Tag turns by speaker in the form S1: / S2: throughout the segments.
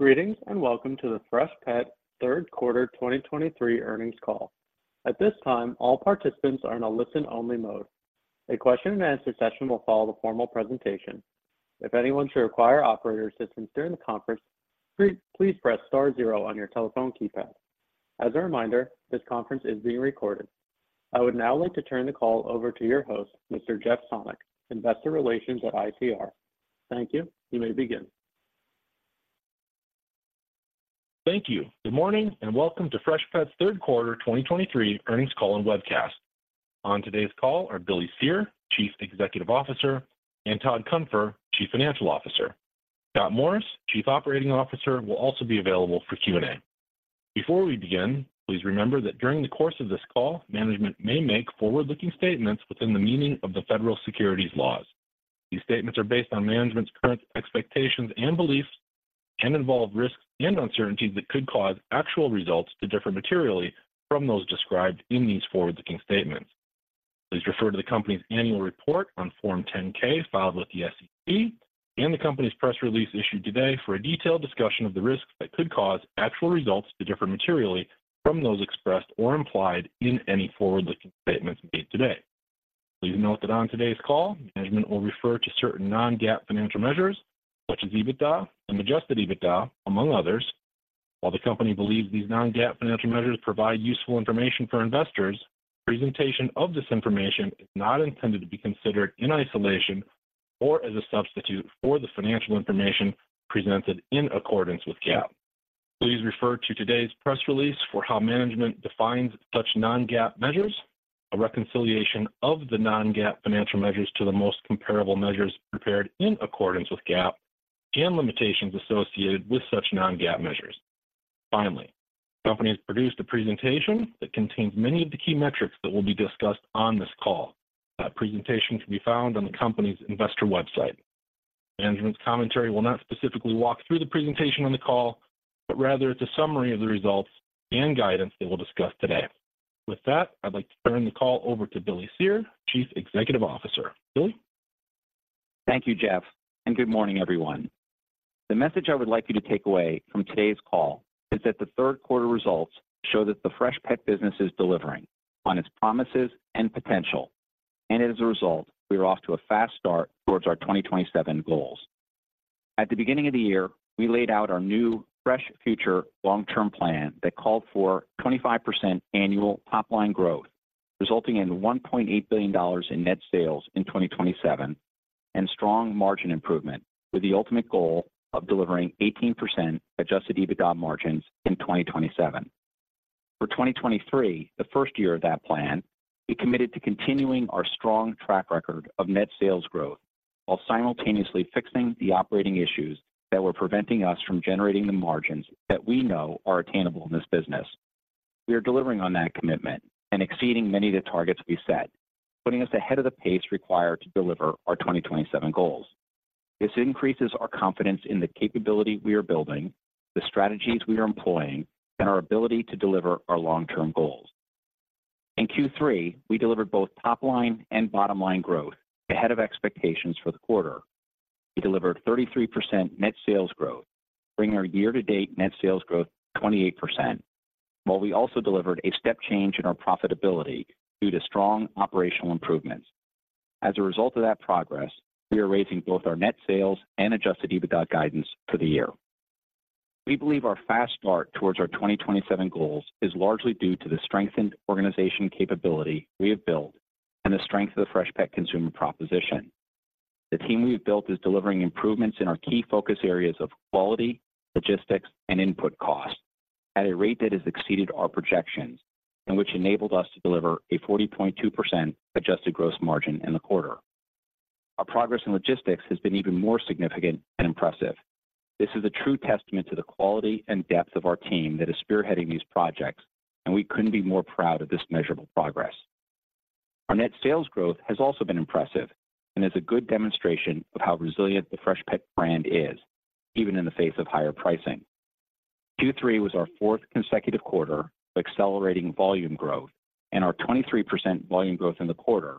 S1: Greetings, and welcome to the Freshpet Q3 2023 Earnings Call. At this time, all participants are in a listen-only mode. A question-and-answer session will follow the formal presentation. If anyone should require operator assistance during the conference, please, please press star zero on your telephone keypad. As a reminder, this conference is being recorded. I would now like to turn the call over to your host, Mr. Jeff Sonnek, Investor Relations at ICR. Thank you. You may begin.
S2: Thank you. Good morning, and Welcome to Freshpet's Q3 2023 Earnings Call and Webcast. On today's call are Billy Cyr, Chief Executive Officer, and Todd Cunfer, Chief Financial Officer. Scott Morris, Chief Operating Officer, will also be available for Q&A. Before we begin, please remember that during the course of this call, management may make forward-looking statements within the meaning of the federal securities laws. These statements are based on management's current expectations and beliefs, and involve risks and uncertainties that could cause actual results to differ materially from those described in these forward-looking statements. Please refer to the company's annual report on Form 10-K filed with the SEC and the company's press release issued today for a detailed discussion of the risks that could cause actual results to differ materially from those expressed or implied in any forward-looking statements made today. Please note that on today's call, management will refer to certain non-GAAP financial measures, such as EBITDA and adjusted EBITDA, among others. While the company believes these non-GAAP financial measures provide useful information for investors, presentation of this information is not intended to be considered in isolation or as a substitute for the financial information presented in accordance with GAAP. Please refer to today's press release for how management defines such non-GAAP measures, a reconciliation of the non-GAAP financial measures to the most comparable measures prepared in accordance with GAAP, and limitations associated with such non-GAAP measures. Finally, the company has produced a presentation that contains many of the key metrics that will be discussed on this call. That presentation can be found on the company's investor website. Management's commentary will not specifically walk through the presentation on the call, but rather it's a summary of the results and guidance that we'll discuss today. With that, I'd like to turn the call over to Billy Cyr, Chief Executive Officer. Billy?
S3: Thank you, Jeff, and good morning, everyone. The message I would like you to take away from today's call is that the Q3 results show that the Freshpet business is delivering on its promises and potential, and as a result, we are off to a fast start towards our 2027 goals. At the beginning of the year, we laid out our new Fresh Future long-term plan that called for 25% annual top-line growth, resulting in $1.8 billion in net sales in 2027, and strong margin improvement, with the ultimate goal of delivering 18% Adjusted EBITDA margins in 2027. For 2023, the first year of that plan, we committed to continuing our strong track record of net sales growth while simultaneously fixing the operating issues that were preventing us from generating the margins that we know are attainable in this business. We are delivering on that commitment and exceeding many of the targets we set, putting us ahead of the pace required to deliver our 2027 goals. This increases our confidence in the capability we are building, the strategies we are employing, and our ability to deliver our long-term goals. In Q3, we delivered both top line and bottom line growth ahead of expectations for the quarter. We delivered 33% net sales growth, bringing our year-to-date net sales growth to 28%. While we also delivered a step change in our profitability due to strong operational improvements. As a result of that progress, we are raising both our net sales and adjusted EBITDA guidance for the year. We believe our fast start towards our 2027 goals is largely due to the strengthened organization capability we have built and the strength of the Freshpet consumer proposition. The team we've built is delivering improvements in our key focus areas of quality, logistics, and input costs at a rate that has exceeded our projections and which enabled us to deliver a 40.2% adjusted gross margin in the quarter. Our progress in logistics has been even more significant and impressive. This is a true testament to the quality and depth of our team that is spearheading these projects, and we couldn't be more proud of this measurable progress. Our net sales growth has also been impressive and is a good demonstration of how resilient the Freshpet brand is, even in the face of higher pricing. Q3 was our fourth consecutive quarter of accelerating volume growth, and our 23% volume growth in the quarter,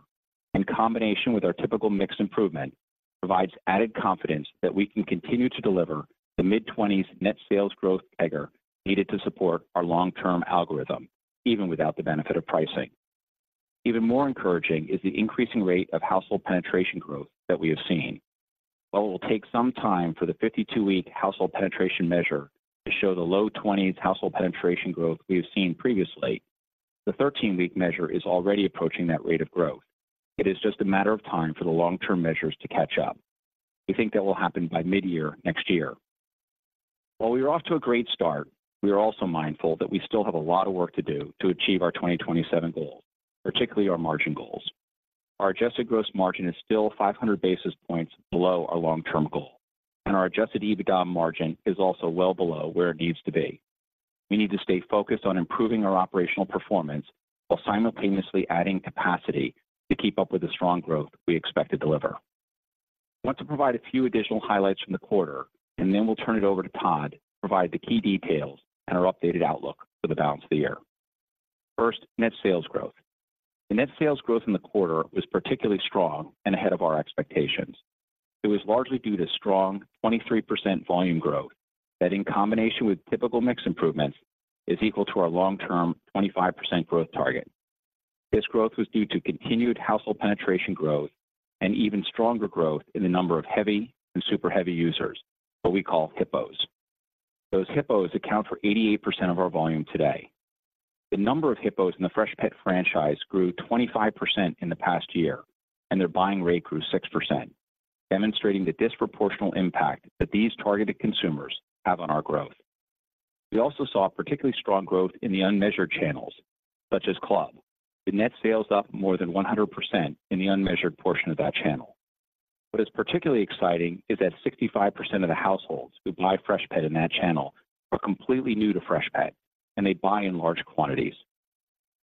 S3: in combination with our typical mix improvement, provides added confidence that we can continue to deliver the mid-20s net sales growth CAGR needed to support our long-term algorithm, even without the benefit of pricing. Even more encouraging is the increasing rate of household penetration growth that we have seen. While it will take some time for the 52-week household penetration measure to show the low 20s household penetration growth we have seen previously, the 13-week measure is already approaching that rate of growth. It is just a matter of time for the long-term measures to catch up. We think that will happen by midyear next year. While we are off to a great start, we are also mindful that we still have a lot of work to do to achieve our 2027 goals, particularly our margin goals. Our adjusted gross margin is still 500 basis points below our long-term goal, and our adjusted EBITDA margin is also well below where it needs to be. We need to stay focused on improving our operational performance while simultaneously adding capacity to keep up with the strong growth we expect to deliver. I want to provide a few additional highlights from the quarter, and then we'll turn it over to Todd to provide the key details and our updated outlook for the balance of the year. First, net sales growth. The net sales growth in the quarter was particularly strong and ahead of our expectations. It was largely due to strong 23% volume growth, that in combination with typical mix improvements, is equal to our long-term 25% growth target. This growth was due to continued household penetration growth and even stronger growth in the number of heavy and super heavy users, what we call HIPPOs. Those HIPPOs account for 88% of our volume today. The number of HIPPOs in the Freshpet franchise grew 25% in the past year, and their buying rate grew 6%, demonstrating the disproportional impact that these targeted consumers have on our growth. We also saw particularly strong growth in the unmeasured channels, such as club. The net sales up more than 100% in the unmeasured portion of that channel. What is particularly exciting is that 65% of the households who buy Freshpet in that channel are completely new to Freshpet, and they buy in large quantities.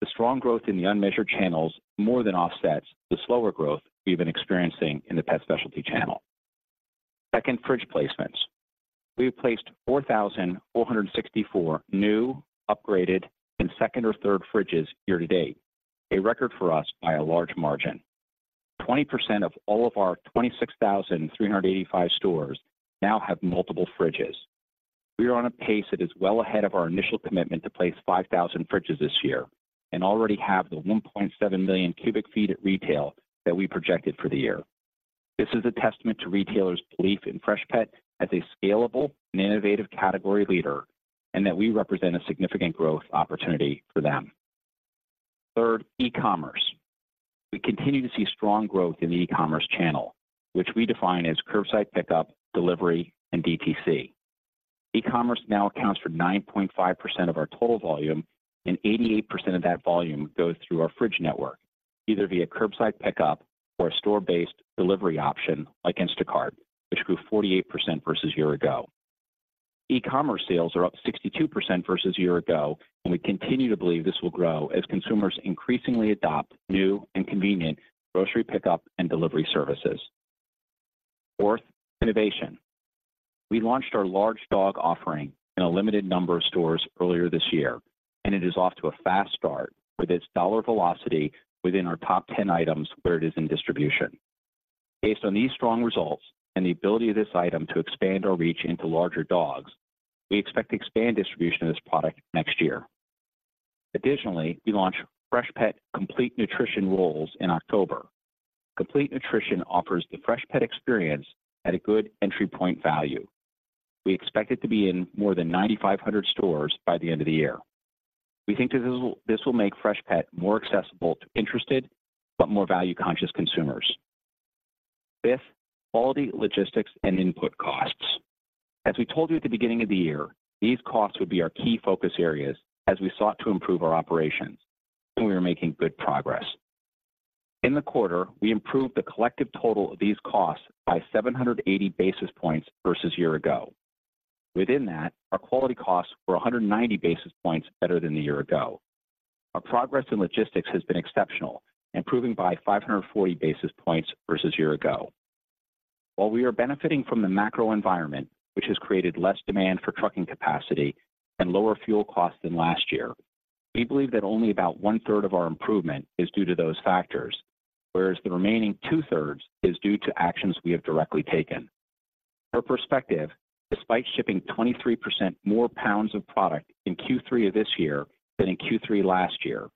S3: The strong growth in the unmeasured channels more than offsets the slower growth we've been experiencing in the pet specialty channel. Second, fridge placements. We placed 4,464 new, upgraded, and second or third fridges year to date, a record for us by a large margin. 20% of all of our 26,385 stores now have multiple fridges. We are on a pace that is well ahead of our initial commitment to place 5,000 fridges this year, and already have the 1.7 million cubic feet at retail that we projected for the year. This is a testament to retailers' belief in Freshpet as a scalable and innovative category leader, and that we represent a significant growth opportunity for them. Third, e-commerce. We continue to see strong growth in the e-commerce channel, which we define as curbside pickup, delivery, and DTC. E-commerce now accounts for 9.5% of our total volume, and 88% of that volume goes through our fridge network, either via curbside pickup or a store-based delivery option like Instacart, which grew 48% versus year ago. E-commerce sales are up 62% versus year ago, and we continue to believe this will grow as consumers increasingly adopt new and convenient grocery pickup and delivery services. Fourth, innovation. We launched our Large Dog offering in a limited number of stores earlier this year, and it is off to a fast start with its dollar velocity within our top 10 items, where it is in distribution. Based on these strong results and the ability of this item to expand our reach into larger dogs, we expect to expand distribution of this product next year. Additionally, we launched Freshpet Complete Nutrition Rolls in October. Complete Nutrition offers the Freshpet experience at a good entry point value. We expect it to be in more than 9,500 stores by the end of the year. We think this will make Freshpet more accessible to interested but more value-conscious consumers. Fifth, quality, logistics, and input costs. As we told you at the beginning of the year, these costs would be our key focus areas as we sought to improve our operations, and we are making good progress. In the quarter, we improved the collective total of these costs by 780 basis points versus year-ago. Within that, our quality costs were 190 basis points better than the year-ago. Our progress in logistics has been exceptional, improving by 540 basis points versus year-ago. While we are benefiting from the macro environment, which has created less demand for trucking capacity and lower fuel costs than last year, we believe that only about one-third of our improvement is due to those factors, whereas the remaining two-thirds is due to actions we have directly taken. For perspective, despite shipping 23% more pounds of product in Q3 of this year than in Q3 last year,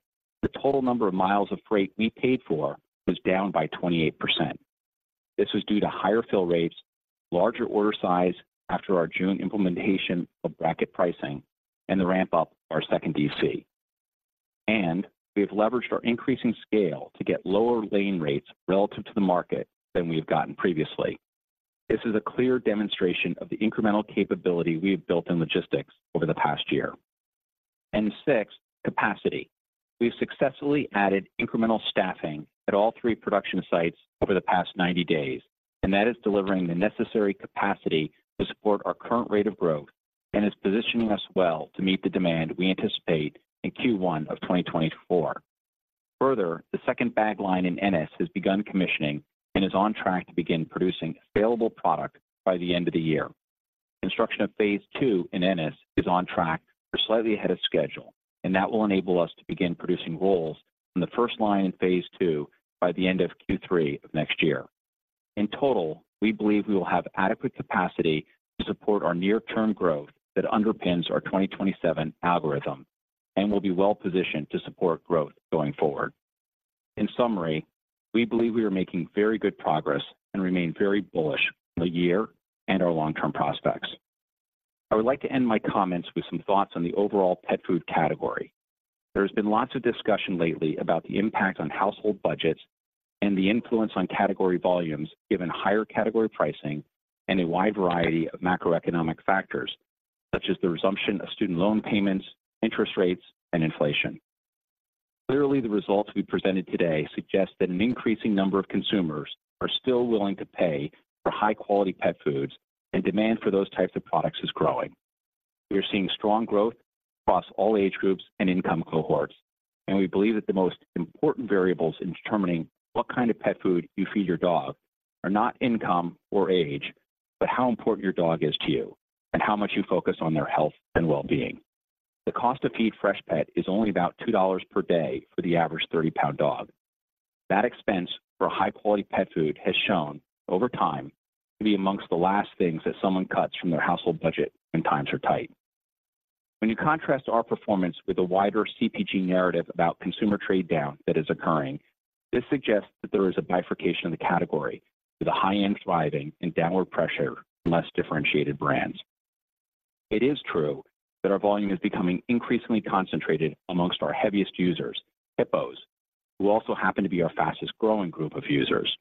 S3: the total number of miles of freight we paid for was down by 28%. This was due to higher fill rates, larger order size after our June implementation of bracket pricing, and the ramp-up of our second DC. We have leveraged our increasing scale to get lower lane rates relative to the market than we've gotten previously. This is a clear demonstration of the incremental capability we have built in logistics over the past year. Sixth, capacity. We've successfully added incremental staffing at all three production sites over the past 90 days, and that is delivering the necessary capacity to support our current rate of growth and is positioning us well to meet the demand we anticipate in Q1 of 2024. Further, the second bag line in Ennis has begun commissioning and is on track to begin producing salable product by the end of the year. Construction of Phase Two in Ennis is on track or slightly ahead of schedule, and that will enable us to begin producing rolls on the first line in Phase Two by the end of Q3 of next year. In total, we believe we will have adequate capacity to support our near-term growth that underpins our 2027 algorithm and will be well positioned to support growth going forward. In summary, we believe we are making very good progress and remain very bullish on the year and our long-term prospects. I would like to end my comments with some thoughts on the overall pet food category. There has been lots of discussion lately about the impact on household budgets and the influence on category volumes, given higher category pricing and a wide variety of macroeconomic factors, such as the resumption of student loan payments, interest rates, and inflation. Clearly, the results we presented today suggest that an increasing number of consumers are still willing to pay for high-quality pet foods, and demand for those types of products is growing. We are seeing strong growth across all age groups and income cohorts, and we believe that the most important variables in determining what kind of pet food you feed your dog are not income or age... but how important your dog is to you and how much you focus on their health and well-being. The cost to feed Freshpet is only about $2 per day for the average 30-pound dog. That expense for high-quality pet food has shown over time to be among the last things that someone cuts from their household budget when times are tight. When you contrast our performance with the wider CPG narrative about consumer trade-down that is occurring, this suggests that there is a bifurcation of the category, with the high end thriving and downward pressure on less differentiated brands. It is true that our volume is becoming increasingly concentrated among our heaviest users, HIPPOs, who also happen to be our fastest growing group of users.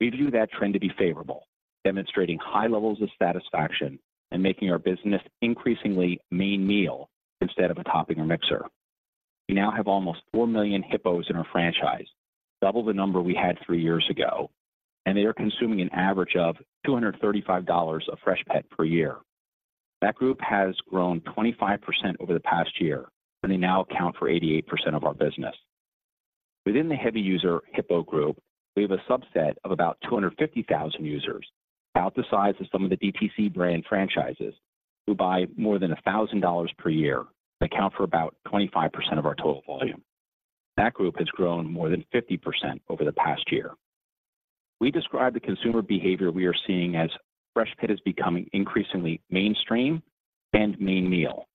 S3: We view that trend to be favorable, demonstrating high levels of satisfaction and making our business increasingly main meal instead of a topping or mixer. We now have almost 4 million HIPPOs in our franchise, double the number we had three years ago, and they are consuming an average of $235 of Freshpet per year. That group has grown 25% over the past year, and they now account for 88% of our business. Within the heavy user HIPPO group, we have a subset of about 250,000 users, about the size of some of the DTC brand franchises, who buy more than $1,000 per year and account for about 25% of our total volume. That group has grown more than 50% over the past year. We describe the consumer behavior we are seeing as Freshpet is becoming increasingly mainstream and main meal.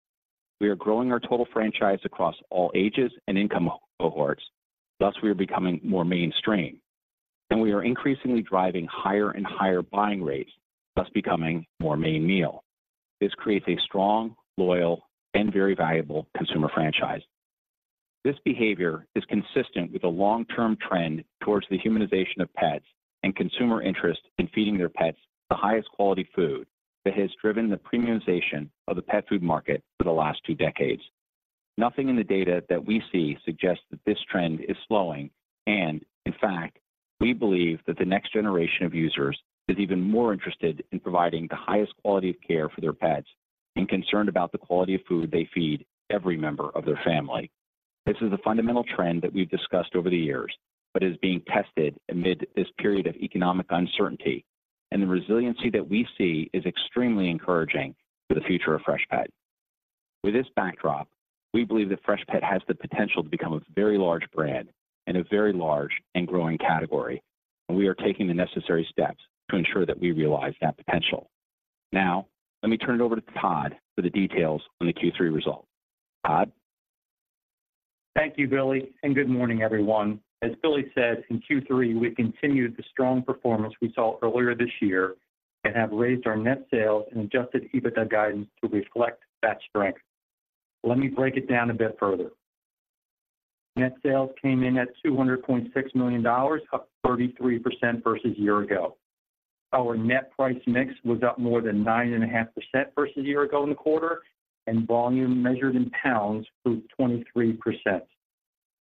S3: We are growing our total franchise across all ages and income cohorts, thus, we are becoming more mainstream, and we are increasingly driving higher and higher buying rates, thus becoming more main meal. This creates a strong, loyal, and very valuable consumer franchise. This behavior is consistent with the long-term trend towards the humanization of pets and consumer interest in feeding their pets the highest quality food that has driven the premiumization of the pet food market for the last two decades. Nothing in the data that we see suggests that this trend is slowing, and in fact, we believe that the next generation of users is even more interested in providing the highest quality of care for their pets and concerned about the quality of food they feed every member of their family. This is a fundamental trend that we've discussed over the years, but is being tested amid this period of economic uncertainty, and the resiliency that we see is extremely encouraging for the future of Freshpet. With this backdrop, we believe that Freshpet has the potential to become a very large brand in a very large and growing category, and we are taking the necessary steps to ensure that we realize that potential. Now, let me turn it over to Todd for the details on the Q3 results. Todd?
S4: Thank you, Billy, and good morning, everyone. As Billy said, in Q3, we continued the strong performance we saw earlier this year and have raised our net sales and Adjusted EBITDA guidance to reflect that strength. Let me break it down a bit further. Net sales came in at $200.6 million, up 33% versus a year ago. Our net price mix was up more than 9.5% versus a year ago in the quarter, and volume measured in pounds grew 23%.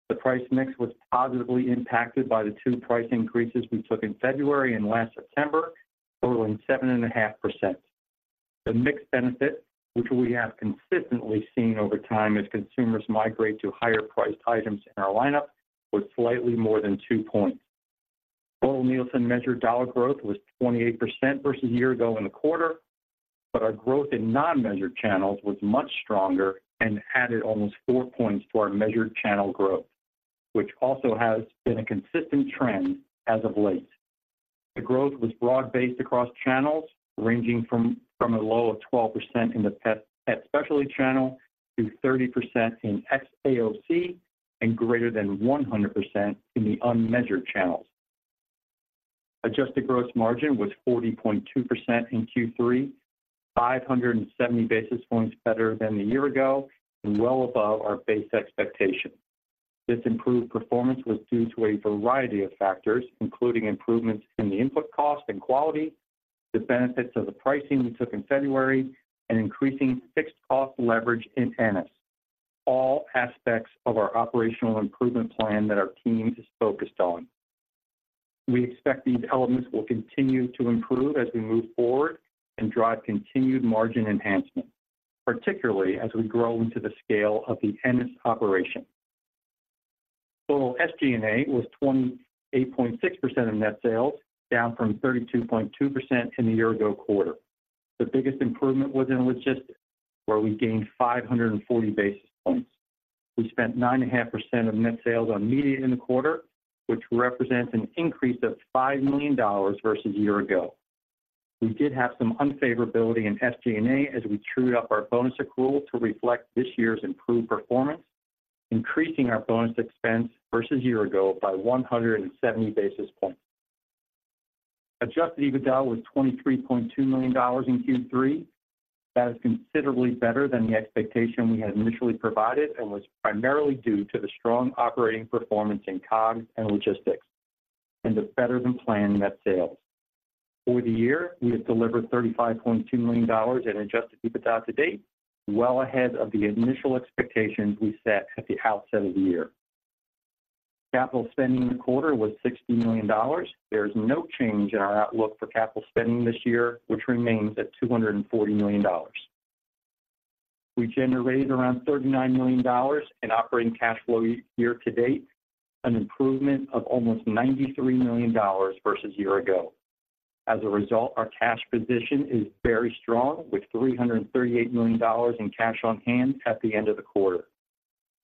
S4: The price mix was positively impacted by the two price increases we took in February and last September, totaling 7.5%. The mix benefit, which we have consistently seen over time as consumers migrate to higher priced items in our lineup, was slightly more than 2 points. Total Nielsen measured dollar growth was 28% versus a year ago in the quarter, but our growth in non-measured channels was much stronger and added almost 4 points to our measured channel growth, which also has been a consistent trend as of late. The growth was broad-based across channels, ranging from a low of 12% in the pet specialty channel to 30% in XAOC and greater than 100% in the unmeasured channels. Adjusted gross margin was 40.2% in Q3, 570 basis points better than the year ago and well above our base expectation. This improved performance was due to a variety of factors, including improvements in the input cost and quality, the benefits of the pricing we took in February, and increasing fixed cost leverage in Ennis, all aspects of our operational improvement plan that our team is focused on. We expect these elements will continue to improve as we move forward and drive continued margin enhancement, particularly as we grow into the scale of the Ennis operation. Total SG&A was 28.6% of net sales, down from 32.2% in the year ago quarter. The biggest improvement was in logistics, where we gained 540 basis points. We spent 9.5% of net sales on media in the quarter, which represents an increase of $5 million versus a year ago. We did have some unfavorability in SG&A as we trued up our bonus accrual to reflect this year's improved performance, increasing our bonus expense versus a year ago by 170 basis points. Adjusted EBITDA was $23.2 million in Q3. That is considerably better than the expectation we had initially provided and was primarily due to the strong operating performance in COGS and logistics and the better-than-planned net sales. Over the year, we have delivered $35.2 million in adjusted EBITDA to date, well ahead of the initial expectations we set at the outset of the year. Capital spending in the quarter was $60 million. There is no change in our outlook for capital spending this year, which remains at $240 million.... We generated around $39 million in operating cash flow year to date, an improvement of almost $93 million versus a year ago. As a result, our cash position is very strong, with $338 million in cash on hand at the end of the quarter.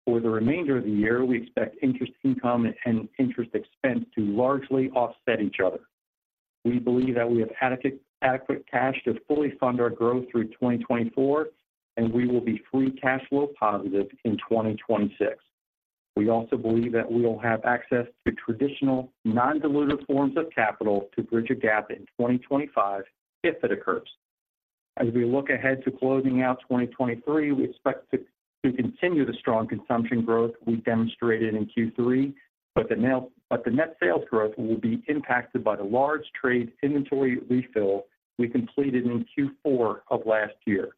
S4: For the remainder of the year, we expect interest income and interest expense to largely offset each other. We believe that we have adequate cash to fully fund our growth through 2024, and we will be free cash flow positive in 2026. We also believe that we will have access to traditional non-dilutive forms of capital to bridge a gap in 2025 if it occurs. As we look ahead to closing out 2023, we expect to continue the strong consumption growth we demonstrated in Q3, but the net sales growth will be impacted by the large trade inventory refill we completed in Q4 of last year.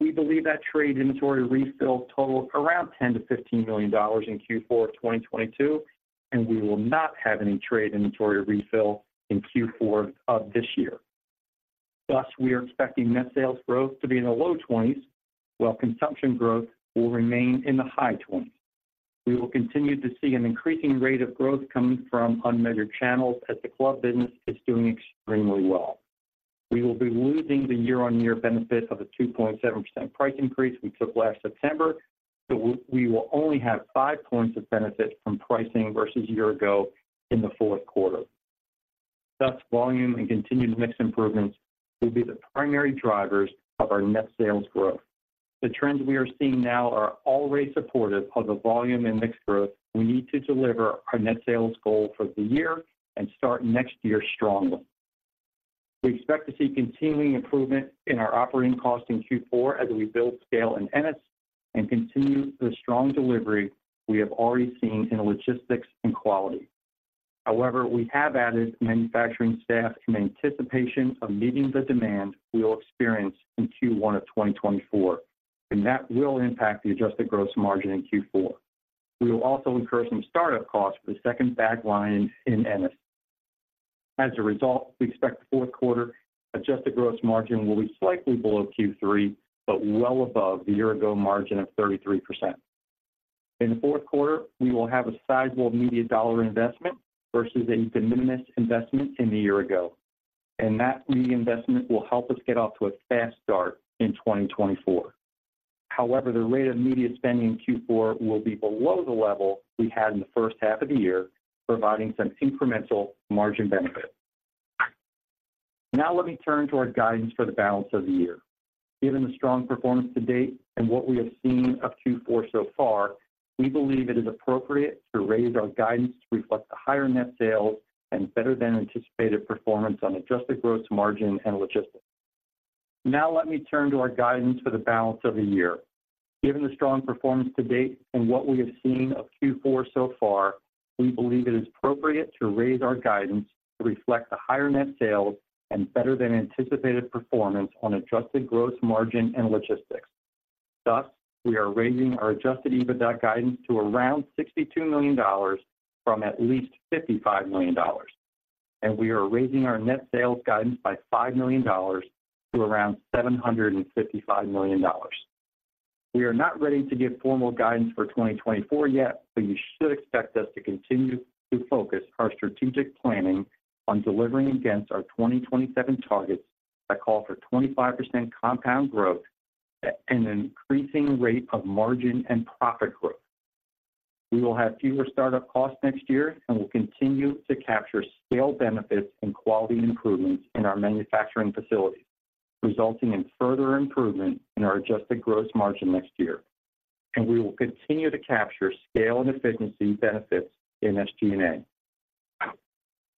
S4: We believe that trade inventory refill totaled around $10-$15 million in Q4 of 2022, and we will not have any trade inventory refill in Q4 of this year. Thus, we are expecting net sales growth to be in the low 20s, while consumption growth will remain in the high 20s. We will continue to see an increasing rate of growth coming from unmeasured channels as the club business is doing extremely well. We will be losing the year-on-year benefit of a 2.7% price increase we took last September, so we will only have 5 points of benefit from pricing versus a year ago in the fourth quarter. Thus, volume and continued mix improvements will be the primary drivers of our net sales growth. The trends we are seeing now are already supportive of the volume and mix growth we need to deliver our net sales goal for the year and start next year strongly. We expect to see continuing improvement in our operating costs in Q4 as we build scale in Ennis and continue the strong delivery we have already seen in logistics and quality. However, we have added manufacturing staff in anticipation of meeting the demand we will experience in Q1 of 2024, and that will impact the adjusted gross margin in Q4. We will also incur some startup costs for the second bag line in Ennis. As a result, we expect fourth quarter adjusted gross margin will be slightly below Q3, but well above the year-ago margin of 33%. In the fourth quarter, we will have a sizable media dollar investment versus a de minimis investment in the year-ago, and that reinvestment will help us get off to a fast start in 2024. However, the rate of media spending in Q4 will be below the level we had in the first half of the year, providing some incremental margin benefit. Now let me turn to our guidance for the balance of the year. Given the strong performance to date and what we have seen of Q4 so far, we believe it is appropriate to raise our guidance to reflect the higher net sales and better than anticipated performance on adjusted gross margin and logistics. Now let me turn to our guidance for the balance of the year. Given the strong performance to date and what we have seen of Q4 so far, we believe it is appropriate to raise our guidance to reflect the higher net sales and better than anticipated performance on adjusted gross margin and logistics. Thus, we are raising our Adjusted EBITDA guidance to around $62 million from at least $55 million, and we are raising our net sales guidance by $5 million to around $755 million. We are not ready to give formal guidance for 2024 yet, but you should expect us to continue to focus our strategic planning on delivering against our 2027 targets that call for 25% compound growth at an increasing rate of margin and profit growth. We will have fewer startup costs next year and will continue to capture scale benefits and quality improvements in our manufacturing facilities, resulting in further improvement in our adjusted gross margin next year. We will continue to capture scale and efficiency benefits in SG&A.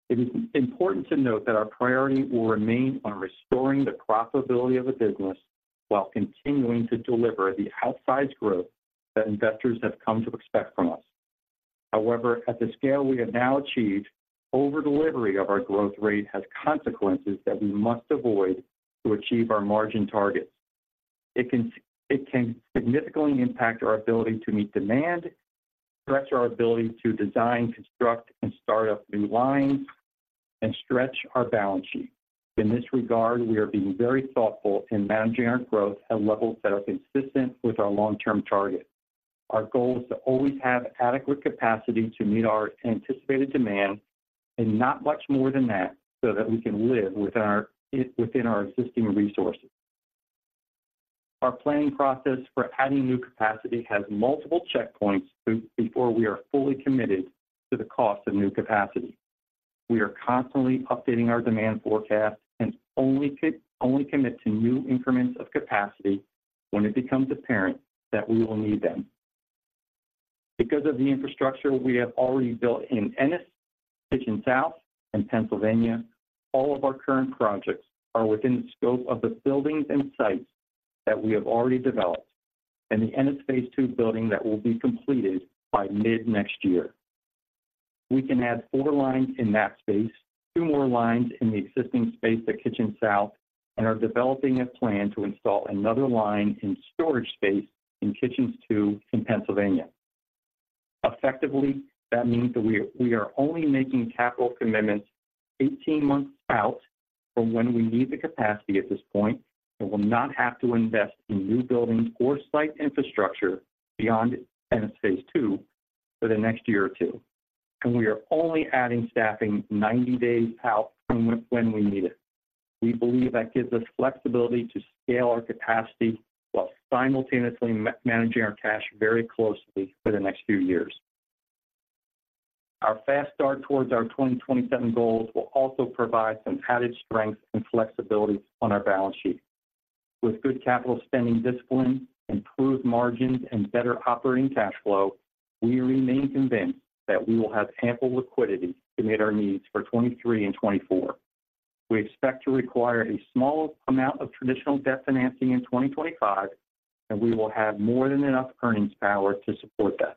S4: It is important to note that our priority will remain on restoring the profitability of the business while continuing to deliver the outsized growth that investors have come to expect from us. However, at the scale we have now achieved, over delivery of our growth rate has consequences that we must avoid to achieve our margin targets. It can significantly impact our ability to meet demand, stretch our ability to design, construct, and start up new lines, and stretch our balance sheet. In this regard, we are being very thoughtful in managing our growth at levels that are consistent with our long-term targets. Our goal is to always have adequate capacity to meet our anticipated demand and not much more than that, so that we can live within our existing resources. Our planning process for adding new capacity has multiple checkpoints before we are fully committed to the cost of new capacity. We are constantly updating our demand forecast and only commit to new increments of capacity when it becomes apparent that we will need them. Because of the infrastructure we have already built in Ennis, Kitchen South, and Pennsylvania, all of our current projects are within the scope of the buildings and sites that we have already developed and the Ennis Phase Two building that will be completed by mid-next year. We can add 4 lines in that space, 2 more lines in the existing space at Kitchen South, and are developing a plan to install another line in storage space in Kitchens Two in Pennsylvania.... Effectively, that means that we are only making capital commitments 18 months out from when we need the capacity at this point, and will not have to invest in new buildings or site infrastructure beyond Ennis Phase Two for the next year or 2. We are only adding staffing 90 days out from when we need it. We believe that gives us flexibility to scale our capacity while simultaneously managing our cash very closely for the next few years. Our fast start towards our 2027 goals will also provide some added strength and flexibility on our balance sheet. With good capital spending discipline, improved margins, and better operating cash flow, we remain convinced that we will have ample liquidity to meet our needs for 2023 and 2024. We expect to require a small amount of traditional debt financing in 2025, and we will have more than enough earnings power to support that.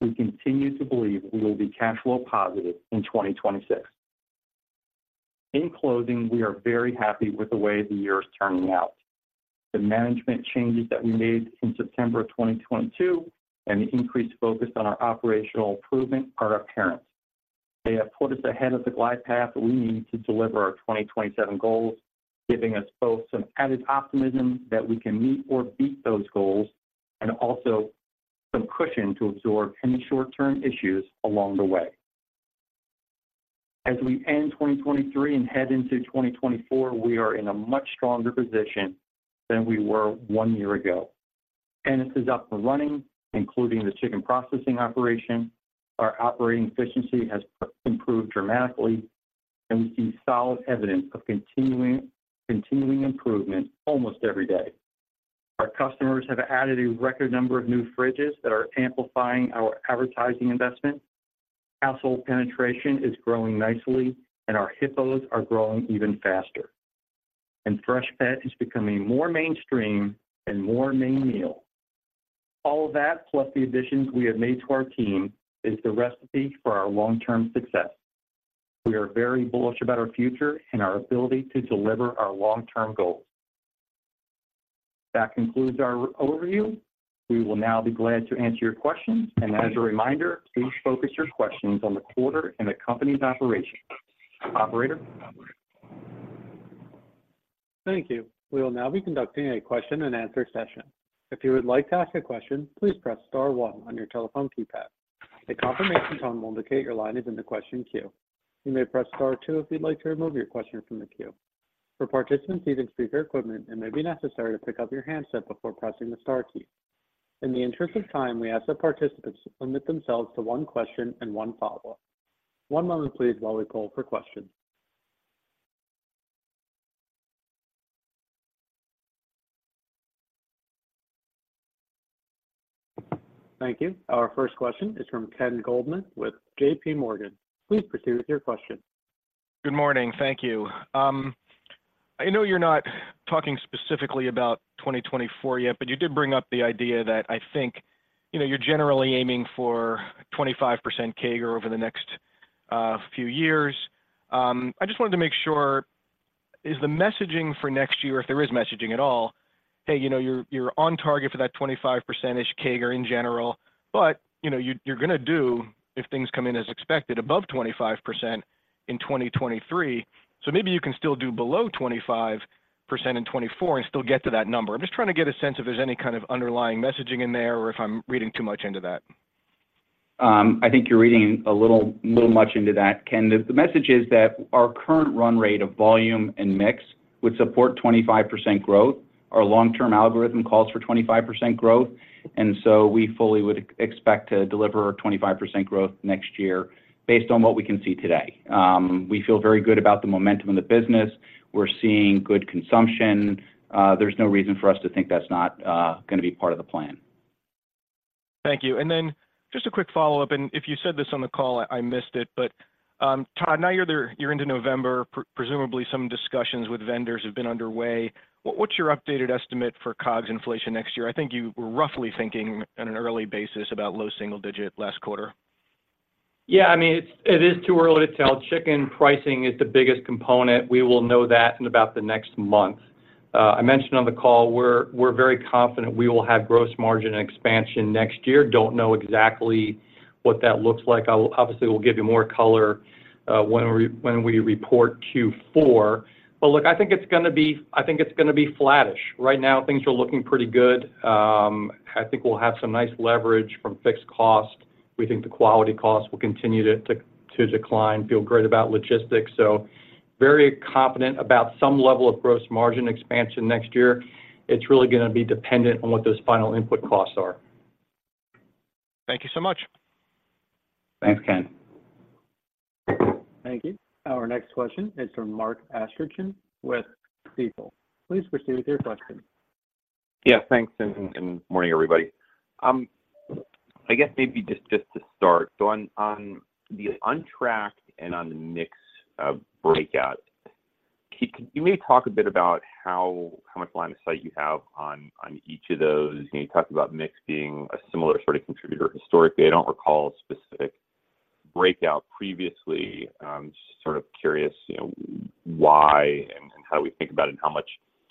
S4: We continue to believe we will be cash flow positive in 2026. In closing, we are very happy with the way the year is turning out. The management changes that we made in September of 2022, and the increased focus on our operational improvement are apparent. They have put us ahead of the glide path we need to deliver our 2027 goals, giving us both some added optimism that we can meet or beat those goals, and also some cushion to absorb any short-term issues along the way. As we end 2023 and head into 2024, we are in a much stronger position than we were one year ago. Ennis is up and running, including the chicken processing operation. Our operating efficiency has improved dramatically, and we see solid evidence of continuing improvement almost every day. Our customers have added a record number of new fridges that are amplifying our advertising investment. Household penetration is growing nicely, and our HIPPOs are growing even faster. Freshpet is becoming more mainstream and more main meal. All of that, plus the additions we have made to our team, is the recipe for our long-term success. We are very bullish about our future and our ability to deliver our long-term goals. That concludes our overview. We will now be glad to answer your questions. As a reminder, please focus your questions on the quarter and the company's operations. Operator?
S1: Thank you. We will now be conducting a question and answer session. If you would like to ask a question, please press star one on your telephone keypad. A confirmation tone will indicate your line is in the question queue. You may press star two if you'd like to remove your question from the queue. For participants using speaker equipment, it may be necessary to pick up your handset before pressing the star key. In the interest of time, we ask that participants limit themselves to one question and one follow-up. One moment please while we poll for questions. Thank you. Our first question is from Ken Goldman with JP Morgan. Please proceed with your question.
S5: Good morning. Thank you. I know you're not talking specifically about 2024 yet, but you did bring up the idea that I think, you know, you're generally aiming for 25% CAGR over the next few years. I just wanted to make sure, is the messaging for next year, if there is messaging at all, "Hey, you know, you're, you're on target for that 25% CAGR in general," but, you know, you're, you're gonna do, if things come in as expected, above 25% in 2023. So maybe you can still do below 25% in 2024 and still get to that number. I'm just trying to get a sense if there's any kind of underlying messaging in there or if I'm reading too much into that.
S3: I think you're reading a little much into that, Ken. The message is that our current run rate of volume and mix would support 25% growth. Our long-term algorithm calls for 25% growth, and so we fully would expect to deliver a 25% growth next year based on what we can see today. We feel very good about the momentum in the business. We're seeing good consumption. There's no reason for us to think that's not gonna be part of the plan.
S5: Thank you. Then just a quick follow-up, and if you said this on the call, I missed it. But, Todd, now you're there, you're into November, presumably some discussions with vendors have been underway. What's your updated estimate for COGs inflation next year? I think you were roughly thinking on an early basis about low single digit last quarter.
S4: Yeah, I mean, it's, it is too early to tell. Chicken pricing is the biggest component. We will know that in about the next month. I mentioned on the call we're very confident we will have gross margin expansion next year. Don't know exactly what that looks like. I'll obviously, we'll give you more color, when we report Q4. But look, I think it's gonna be, I think it's gonna be flattish. Right now, things are looking pretty good. I think we'll have some nice leverage from fixed cost. We think the quality cost will continue to decline. Feel great about logistics, so very confident about some level of gross margin expansion next year. It's really gonna be dependent on what those final input costs are.
S5: Thank you so much.
S3: Thanks, Ken.
S1: Thank you. Our next question is from Mark Astrachan with Stifel. Please proceed with your question.
S6: Yeah, thanks, and morning, everybody. I guess maybe just to start, so on the on track and on the mix breakout, can you maybe talk a bit about how much line of sight you have on each of those? You know, you talked about mix being a similar sort of contributor. Historically, I don't recall a specific breakout previously, just sort of curious, you know, why and how we think about it and how much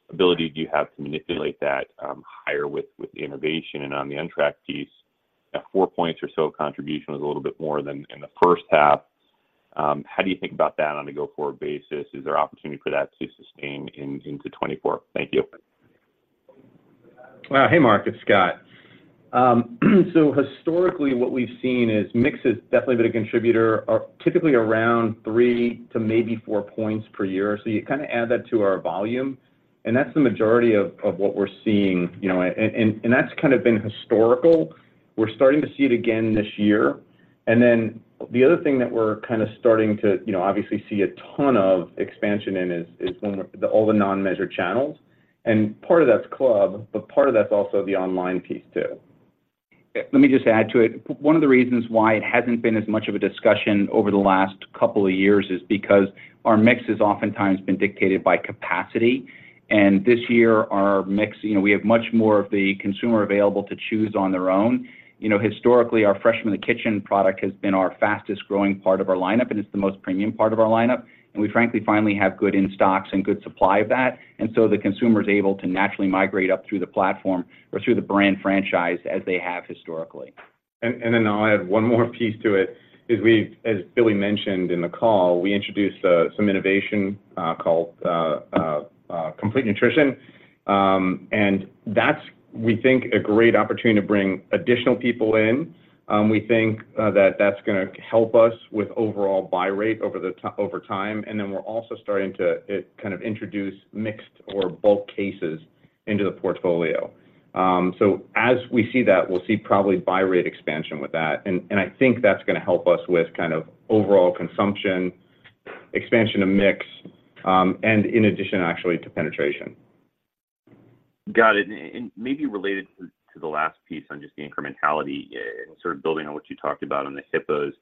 S6: ability do you have to manipulate that higher with the innovation? And on the untracked piece, at four points or so, contribution was a little bit more than in the first half. How do you think about that on a go-forward basis? Is there opportunity for that to sustain into 2024? Thank you.
S7: Well, hey, Mark, it's Scott. So historically, what we've seen is mix has definitely been a contributor, typically around 3 to maybe 4 points per year. So you kinda add that to our volume, and that's the majority of, of what we're seeing, you know... And that's kind of been historical. We're starting to see it again this year. And then the other thing that we're kinda starting to, you know, obviously see a ton of expansion in is when all the non-measured channels. And part of that's club, but part of that's also the online piece, too.
S3: Let me just add to it. One of the reasons why it hasn't been as much of a discussion over the last couple of years is because our mix has oftentimes been dictated by capacity, and this year, our mix, you know, we have much more of the consumer available to choose on their own. You know, historically, our Fresh from the Kitchen product has been our fastest-growing part of our lineup, and it's the most premium part of our lineup, and we frankly, finally have good in-stocks and good supply of that. And so the consumer is able to naturally migrate up through the platform or through the brand franchise, as they have historically.
S7: And then I'll add one more piece to it, is we, as Billy mentioned in the call, we introduced some innovation called Complete Nutrition, and that's, we think, a great opportunity to bring additional people in. We think that that's gonna help us with overall buy rate over time, and then we're also starting to kind of introduce mixed or bulk cases into the portfolio. So as we see that, we'll see probably buy rate expansion with that. And I think that's gonna help us with kind of overall consumption, expansion of mix, and in addition, actually, to penetration.
S6: Got it. And maybe related to the last piece on just the incrementality and sort of building on what you talked about on the hippos,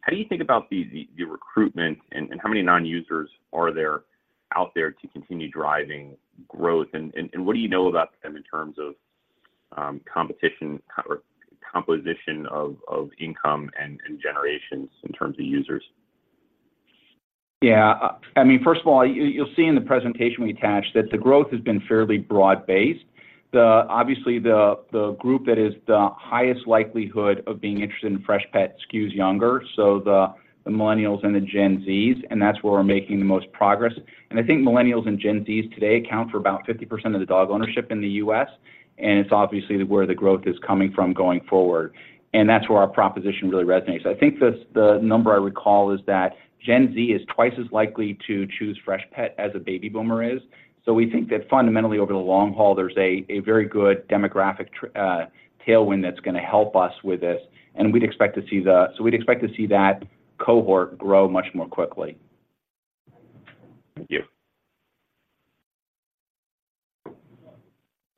S6: how do you think about the recruitment, and how many non-users are there out there to continue driving growth? And what do you know about them in terms of competition or composition of income and generations in terms of users?
S3: Yeah. I mean, first of all, you, you'll see in the presentation we attached that the growth has been fairly broad-based. The, obviously, the group that is the highest likelihood of being interested in Freshpet skews younger, so the millennials and the Gen Z's, and that's where we're making the most progress. And I think millennials and Gen Z's today account for about 50% of the dog ownership in the U.S., and it's obviously where the growth is coming from going forward, and that's where our proposition really resonates. I think the number I recall is that Gen Z is twice as likely to choose Freshpet as a baby boomer is. So we think that fundamentally, over the long haul, there's a very good demographic tailwind that's gonna help us with this, and we'd expect to see that cohort grow much more quickly.
S6: Thank you.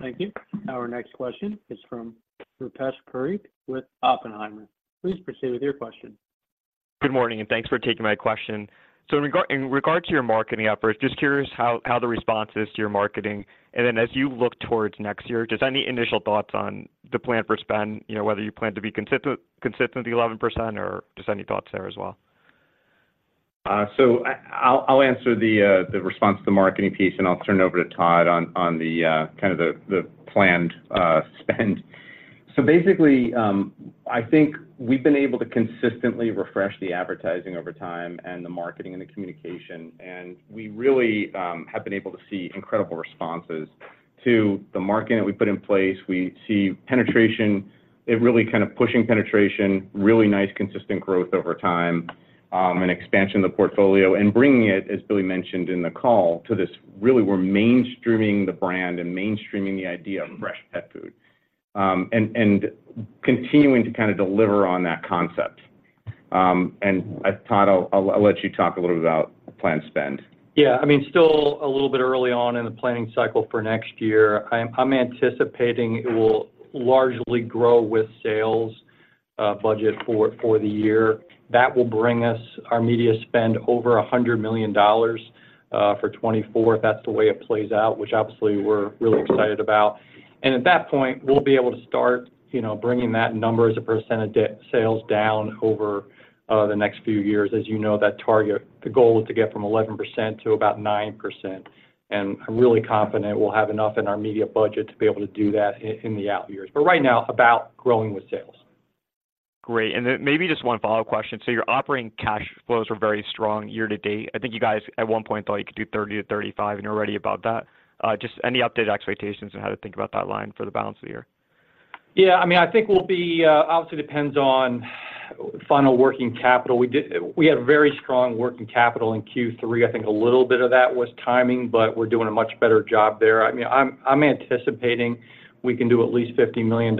S1: Thank you. Our next question is from Rupesh Parikh with Oppenheimer. Please proceed with your question.
S8: Good morning, and thanks for taking my question. So in regard to your marketing efforts, just curious how the response is to your marketing. And then, as you look towards next year, just any initial thoughts on the plan for spend, you know, whether you plan to be consistent with the 11%, or just any thoughts there as well?
S7: So I'll answer the response to the marketing piece, and I'll turn it over to Todd on the kind of the planned spend. So basically, I think we've been able to consistently refresh the advertising over time and the marketing and the communication, and we really have been able to see incredible responses to the marketing that we put in place. We see penetration, it really kind of pushing penetration, really nice, consistent growth over time, an expansion of the portfolio, and bringing it, as Billy mentioned in the call, to this really, we're mainstreaming the brand and mainstreaming the idea of fresh pet food. And continuing to kinda deliver on that concept. Todd, I'll let you talk a little bit about planned spend.
S4: Yeah. I mean, still a little bit early on in the planning cycle for next year. I'm anticipating it will largely grow with sales, budget for the year. That will bring us our media spend over $100 million for 2024. If that's the way it plays out, which obviously we're really excited about. And at that point, we'll be able to start, you know, bringing that number as a percent of sales down over the next few years. As you know, that target, the goal is to get from 11% to about 9%, and I'm really confident we'll have enough in our media budget to be able to do that in the out years. But right now, about growing with sales.
S8: Great. And then maybe just one follow-up question: So your operating cash flows were very strong year to date. I think you guys at one point thought you could do $30-$35, and you're already above that. Just any updated expectations on how to think about that line for the balance of the year?
S4: Yeah, I mean, I think we'll be. Obviously, it depends on final working capital. We had a very strong working capital in Q3. I think a little bit of that was timing, but we're doing a much better job there. I mean, I'm anticipating we can do at least $50 million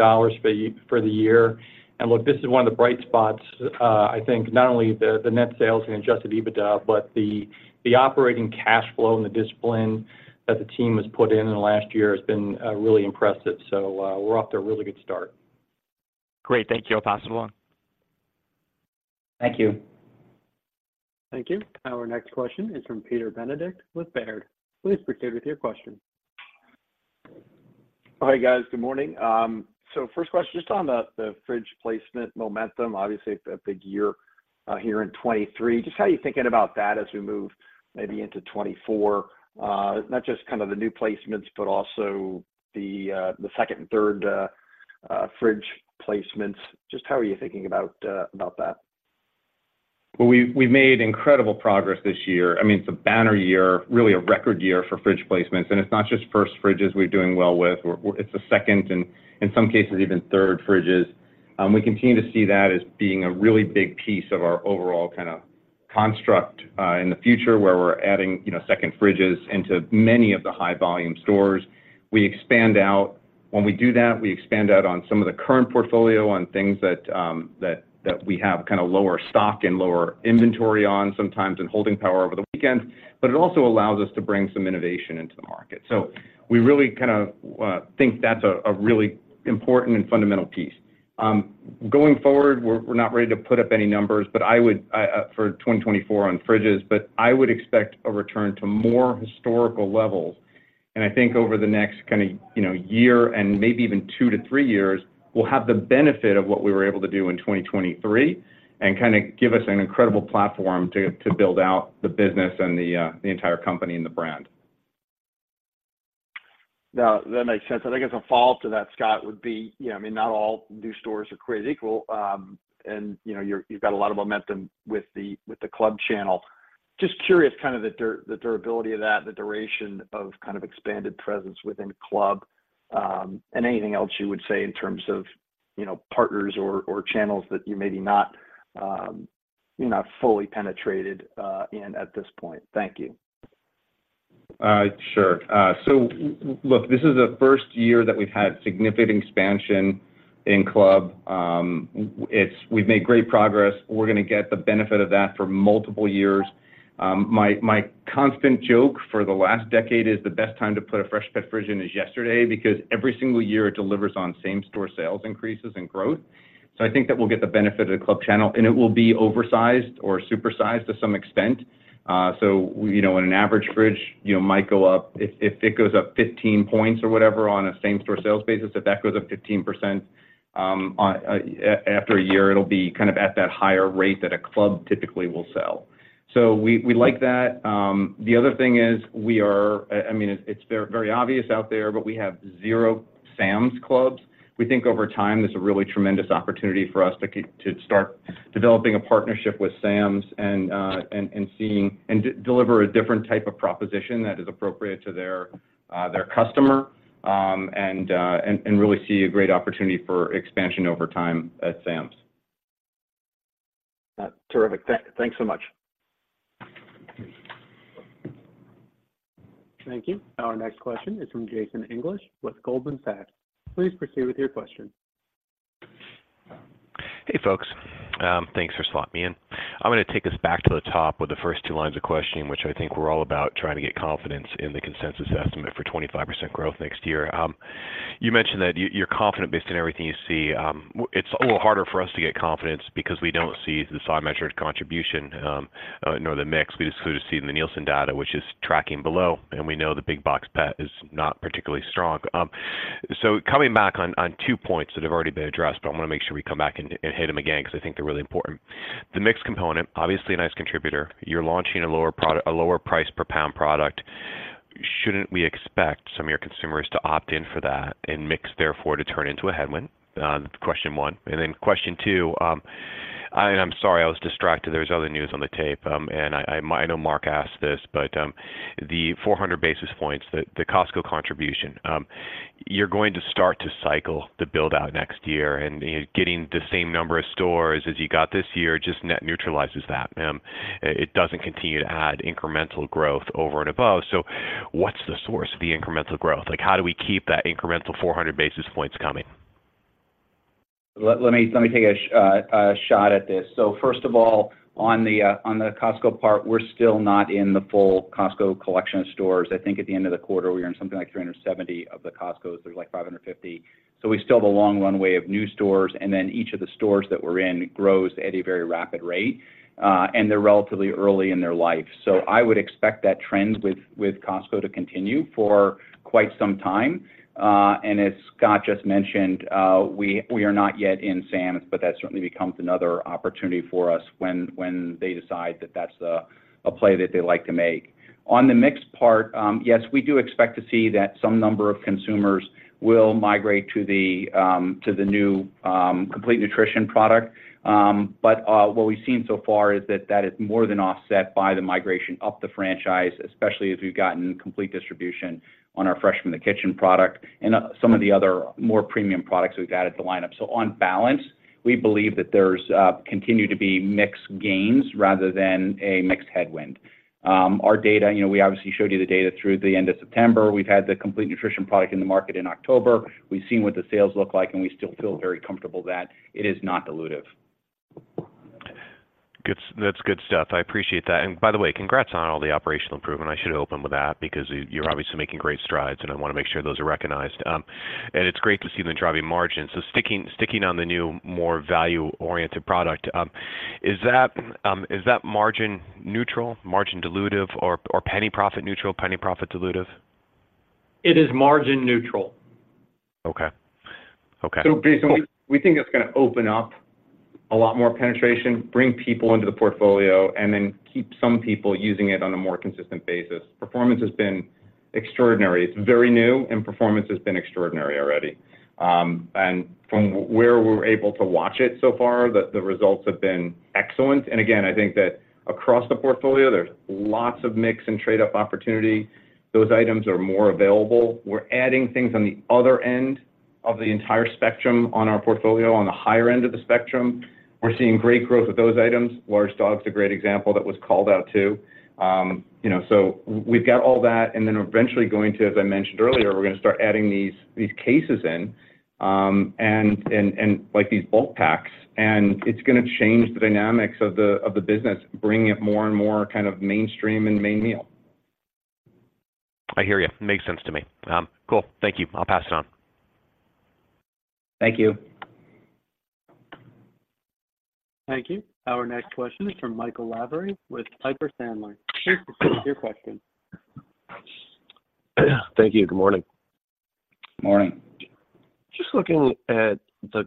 S4: for the year. And look, this is one of the bright spots, I think not only the net sales and Adjusted EBITDA, but the operating cash flow and the discipline that the team has put in in the last year has been really impressive. So, we're off to a really good start.
S8: Great. Thank you. I'll pass it along.
S3: Thank you.
S1: Thank you. Our next question is from Peter Benedict with Baird. Please proceed with your question....
S9: Hi, guys. Good morning. So first question, just on the fridge placement momentum, obviously, a big year here in 2023. Just how are you thinking about that as we move maybe into 2024? Not just kind of the new placements, but also the second and third fridge placements. Just how are you thinking about that?
S7: Well, we've made incredible progress this year. I mean, it's a banner year, really a record year for fridge placements, and it's not just first fridges we're doing well with. We're. It's the second, and in some cases, even third fridges. We continue to see that as being a really big piece of our overall kind of construct in the future, where we're adding, you know, second fridges into many of the high volume stores. We expand out. When we do that, we expand out on some of the current portfolio on things that we have kinda lower stock and lower inventory on sometimes and holding power over the weekend, but it also allows us to bring some innovation into the market. So we really kinda think that's a really important and fundamental piece. Going forward, we're not ready to put up any numbers, but I would for 2024 on fridges, but I would expect a return to more historical levels, and I think over the next kind of, you know, year and maybe even 2-3 years, we'll have the benefit of what we were able to do in 2023 and kinda give us an incredible platform to build out the business and the entire company and the brand.
S9: Now, that makes sense. I think as a follow-up to that, Scott, would be, you know, I mean, not all new stores are created equal, and, you know, you've got a lot of momentum with the club channel. Just curious, kind of the durability of that, the duration of kind of expanded presence within club, and anything else you would say in terms of, you know, partners or, or channels that you maybe not, you're not fully penetrated, in at this point. Thank you.
S7: Sure. So look, this is the first year that we've had significant expansion in club. We've made great progress. We're gonna get the benefit of that for multiple years. My constant joke for the last decade is, the best time to put a Freshpet fridge in is yesterday, because every single year, it delivers on same-store sales increases and growth. So I think that we'll get the benefit of the club channel, and it will be oversized or supersized to some extent. So, you know, in an average fridge, you know, might go up. If it goes up 15 points or whatever on a same-store sales basis, if that goes up 15%, after a year, it'll be kind of at that higher rate that a club typically will sell. So we, we like that. The other thing is, I mean, it's very, very obvious out there, but we have zero Sam's Clubs. We think over time, there's a really tremendous opportunity for us to start developing a partnership with Sam's and, and, and seeing and deliver a different type of proposition that is appropriate to their, their customer, and, and really see a great opportunity for expansion over time at Sam's.
S9: Terrific. Thanks so much.
S1: Thank you. Our next question is from Jason English with Goldman Sachs. Please proceed with your question.
S10: Hey, folks. Thanks for slotting me in. I'm gonna take us back to the top with the first two lines of questioning, which I think we're all about trying to get confidence in the consensus estimate for 25% growth next year. You mentioned that you, you're confident based on everything you see. It's a little harder for us to get confidence because we don't see the unmeasured contribution, nor the mix. We just clearly see in the Nielsen data, which is tracking below, and we know the big box pet is not particularly strong. So coming back on, on two points that have already been addressed, but I wanna make sure we come back and, and hit them again because I think they're really important. The mix component, obviously a nice contributor. You're launching a lower price per pound product. Shouldn't we expect some of your consumers to opt in for that and mix, therefore, to turn into a headwind? Question one. And then question two, and I'm sorry, I was distracted. There was other news on the tape, and I know Mark asked this, but the 400 basis points, the Costco contribution, you're going to start to cycle the build-out next year, and you know, getting the same number of stores as you got this year, just net neutralizes that. It doesn't continue to add incremental growth over and above. So what's the source of the incremental growth? Like, how do we keep that incremental 400 basis points coming?
S7: Let me let me take a shot at this. So first of all, on the Costco part, we're still not in the full Costco collection of stores. I think at the end of the quarter, we were in something like 370 of the Costcos. There's like 550. So we still have a long runway of new stores, and then each of the stores that we're in grows at a very rapid rate, and they're relatively early in their life. So I would expect that trend with Costco to continue for quite some time. And as Scott just mentioned, we are not yet in Sam's, but that certainly becomes another opportunity for us when they decide that that's a play that they'd like to make. On the mix part, yes, we do expect to see that some number of consumers will migrate to the new Complete Nutrition product. But what we've seen so far is that that is more than offset by the migration up the franchise, especially as we've gotten complete distribution on our Fresh from the Kitchen product and some of the other more premium products we've added to the lineup. So on balance, we believe that there's continue to be mixed gains rather than a mixed headwind. Our data, you know, we obviously showed you the data through the end of September. We've had the Complete Nutrition product in the market in October. We've seen what the sales look like, and we still feel very comfortable that it is not dilutive.
S10: Good. That's good stuff. I appreciate that. And by the way, congrats on all the operational improvement. I should open with that because you, you're obviously making great strides, and I wanna make sure those are recognized. And it's great to see the driving margin. So sticking on the new, more value-oriented product, is that margin neutral, margin dilutive, or penny profit neutral, penny profit dilutive?...
S7: It is margin neutral.
S10: Okay. Okay.
S7: So basically, we think it's gonna open up a lot more penetration, bring people into the portfolio, and then keep some people using it on a more consistent basis. Performance has been extraordinary. It's very new, and performance has been extraordinary already. And from where we're able to watch it so far, the results have been excellent. And again, I think that across the portfolio, there's lots of mix and trade-up opportunity. Those items are more available. We're adding things on the other end of the entire spectrum on our portfolio. On the higher end of the spectrum, we're seeing great growth with those items. Large Dog's a great example that was called out, too. You know, so we've got all that, and then eventually going to, as I mentioned earlier, we're gonna start adding these cases in, like these bulk packs, and it's gonna change the dynamics of the business, bringing it more and more kind of mainstream and main meal.
S10: I hear you. Makes sense to me. Cool. Thank you. I'll pass it on.
S7: Thank you.
S1: Thank you. Our next question is from Michael Lavery with Piper Sandler. Your question.
S11: Thank you. Good morning.
S7: Morning.
S11: Just looking at the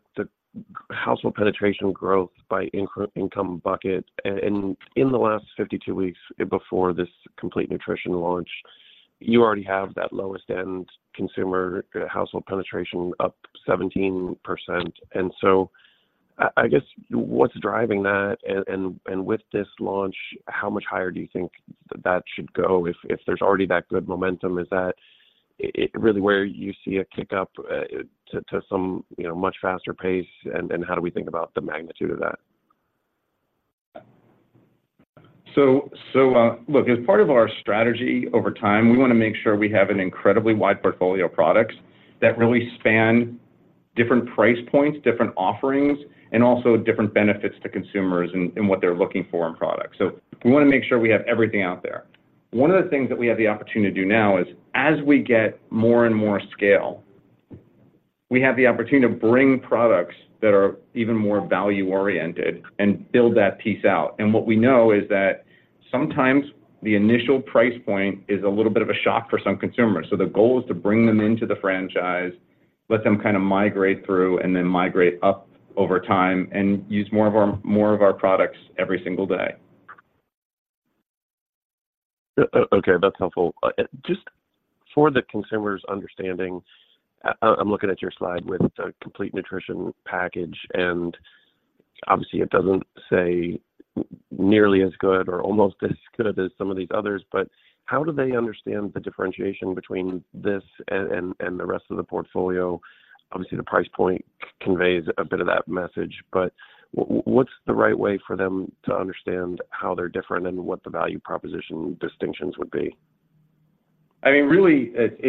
S11: household penetration growth by income bucket, and in the last 52 weeks, before this Complete Nutrition launch, you already have that lowest-end consumer household penetration up 17%. And so I guess, what's driving that, and with this launch, how much higher do you think that should go, if there's already that good momentum? Is it really where you see a kick-up to some, you know, much faster pace, and how do we think about the magnitude of that?
S7: So, so, look, as part of our strategy over time, we wanna make sure we have an incredibly wide portfolio of products that really span different price points, different offerings, and also different benefits to consumers and, and what they're looking for in products. So we wanna make sure we have everything out there. One of the things that we have the opportunity to do now is, as we get more and more scale, we have the opportunity to bring products that are even more value oriented and build that piece out. What we know is that sometimes the initial price point is a little bit of a shock for some consumers. So the goal is to bring them into the franchise, let them kind of migrate through, and then migrate up over time, and use more of our, more of our products every single day.
S11: Okay, that's helpful. Just for the consumer's understanding, I'm looking at your slide with the Complete Nutrition package, and obviously, it doesn't say nearly as good or almost as good as some of these others, but how do they understand the differentiation between this and the rest of the portfolio? Obviously, the price point conveys a bit of that message, but what's the right way for them to understand how they're different and what the value proposition distinctions would be?
S7: I mean, really, it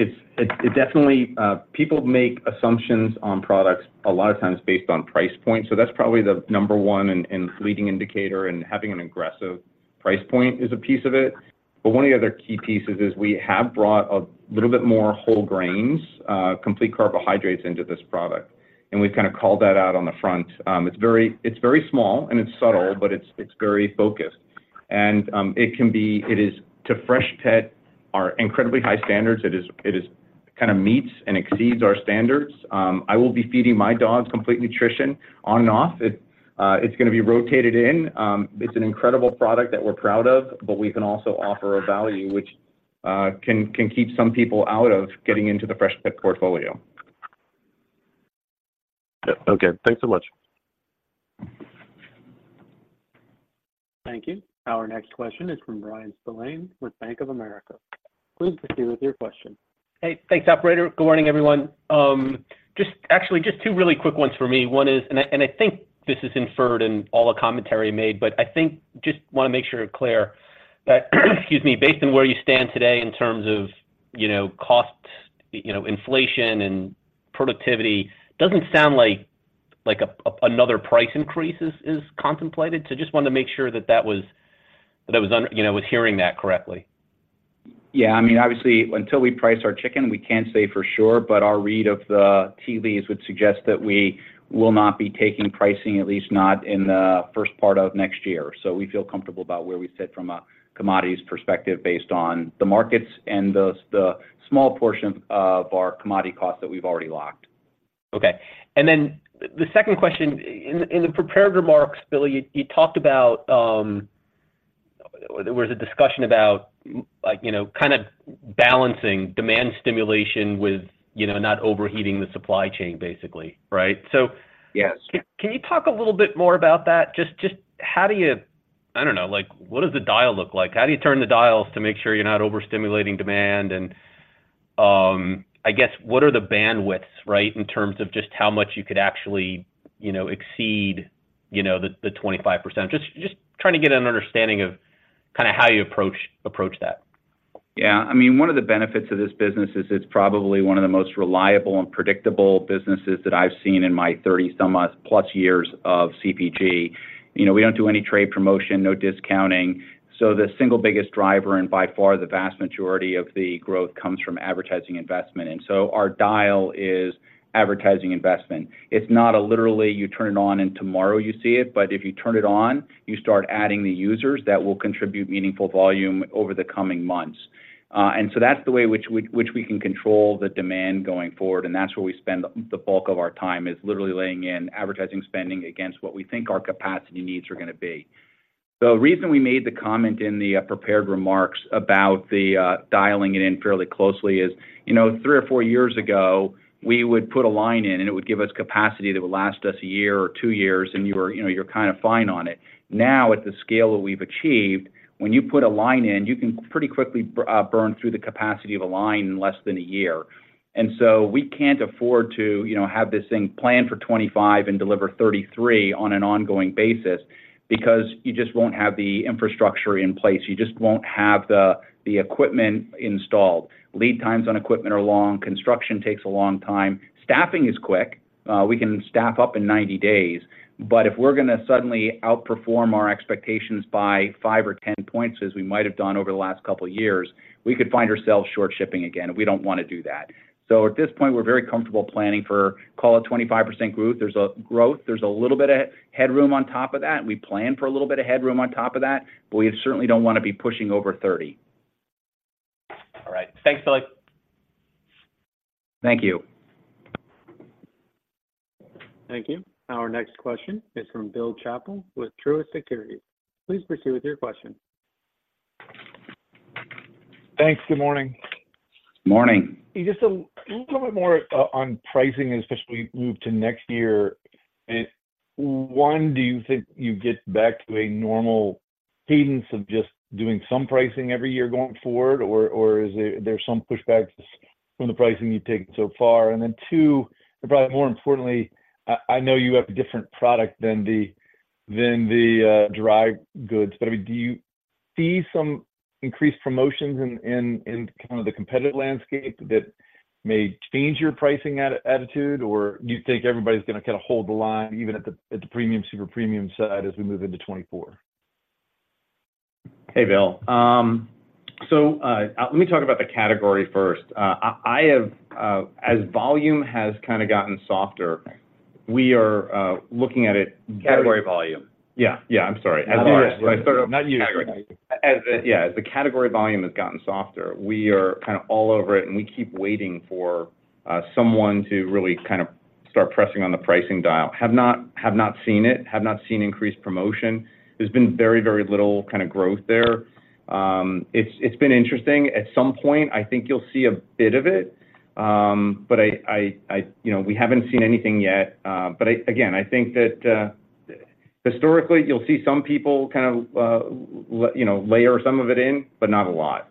S7: definitely. People make assumptions on products a lot of times based on price point, so that's probably the number one and leading indicator, and having an aggressive price point is a piece of it. But one of the other key pieces is, we have brought a little bit more whole grains, complete carbohydrates into this product, and we've kind of called that out on the front. It's very small, and it's subtle, but it's very focused. And it can be, it is, to Freshpet, our incredibly high standards. It is, it is, kind of meets and exceeds our standards. I will be feeding my dogs Complete Nutrition on and off. It's gonna be rotated in. It's an incredible product that we're proud of, but we can also offer a value which can keep some people out of getting into the Freshpet portfolio.
S11: Yep, okay. Thanks so much.
S1: Thank you. Our next question is from Bryan Spillane with Bank of America. Please proceed with your question.
S12: Hey, thanks, operator. Good morning, everyone. Actually, just two really quick ones for me. One is, I think this is inferred in all the commentary made, but I think just wanna make sure it's clear that, excuse me, based on where you stand today in terms of, you know, cost, you know, inflation and productivity, it doesn't sound like another price increase is contemplated? So just wanted to make sure that that was, you know, I was hearing that correctly.
S7: Yeah, I mean, obviously, until we price our chicken, we can't say for sure, but our read of the tea leaves would suggest that we will not be taking pricing, at least not in the first part of next year. So we feel comfortable about where we sit from a commodities perspective, based on the markets and the small portion of our commodity costs that we've already locked.
S12: Okay. Then the second question, in the prepared remarks, Billy, you talked about. There was a discussion about, like, you know, kind of balancing demand stimulation with, you know, not overheating the supply chain, basically. Right? So-
S7: Yes.
S12: Can you talk a little bit more about that? Just how do you... I don't know, like, what does the dial look like? How do you turn the dials to make sure you're not overstimulating demand? And I guess, what are the bandwidths, right, in terms of just how much you could actually, you know, exceed, you know, the 25%? Just trying to get an understanding of kind of how you approach that.
S7: Yeah. I mean, one of the benefits of this business is it's probably one of the most reliable and predictable businesses that I've seen in my thirty-some-odd plus years of CPG. You know, we don't do any trade promotion, no discounting, so the single biggest driver, and by far the vast majority of the growth, comes from advertising investment, and so our dial is advertising investment. It's not literally, you turn it on and tomorrow you see it, but if you turn it on, you start adding the users that will contribute meaningful volume over the coming months. ...
S3: and so that's the way which we can control the demand going forward, and that's where we spend the bulk of our time, is literally laying in advertising spending against what we think our capacity needs are gonna be. The reason we made the comment in the prepared remarks about the dialing it in fairly closely is, you know, three or four years ago, we would put a line in, and it would give us capacity that would last us a year or two years, and you were, you know, you're kind of fine on it. Now, at the scale that we've achieved, when you put a line in, you can pretty quickly burn through the capacity of a line in less than a year. And so we can't afford to, you know, have this thing planned for 25 and deliver 33 on an ongoing basis because you just won't have the infrastructure in place. You just won't have the equipment installed. Lead times on equipment are long, construction takes a long time. Staffing is quick, we can staff up in 90 days, but if we're gonna suddenly outperform our expectations by 5 or 10 points, as we might have done over the last couple of years, we could find ourselves short shipping again, and we don't wanna do that. So at this point, we're very comfortable planning for, call it, 25% growth. There's a growth, there's a little bit of headroom on top of that, and we plan for a little bit of headroom on top of that, but we certainly don't wanna be pushing over 30.
S7: All right. Thanks, Billy.
S3: Thank you.
S1: Thank you. Our next question is from Bill Chappell with Truist Securities. Please proceed with your question.
S13: Thanks. Good morning.
S3: Morning.
S13: Just a little bit more on pricing, especially as we move to next year. One, do you think you get back to a normal cadence of just doing some pricing every year going forward, or is there some pushbacks from the pricing you've taken so far? And then two, and probably more importantly, I know you have a different product than the dry goods, but, I mean, do you see some increased promotions in kind of the competitive landscape that may change your pricing attitude? Or do you think everybody's gonna kinda hold the line, even at the premium, super premium side as we move into 2024?
S7: Hey, Bill. So, let me talk about the category first. I have, as volume has kinda gotten softer, we are looking at it-
S3: Category volume.
S7: Yeah, yeah, I'm sorry.
S3: Not you.
S7: Yeah, as the category volume has gotten softer, we are kind of all over it, and we keep waiting for someone to really kind of start pressing on the pricing dial. Have not seen it, have not seen increased promotion. There's been very, very little kind of growth there. It's been interesting. At some point, I think you'll see a bit of it, but I... You know, we haven't seen anything yet, but I—again, I think that historically, you'll see some people kind of you know, layer some of it in, but not a lot.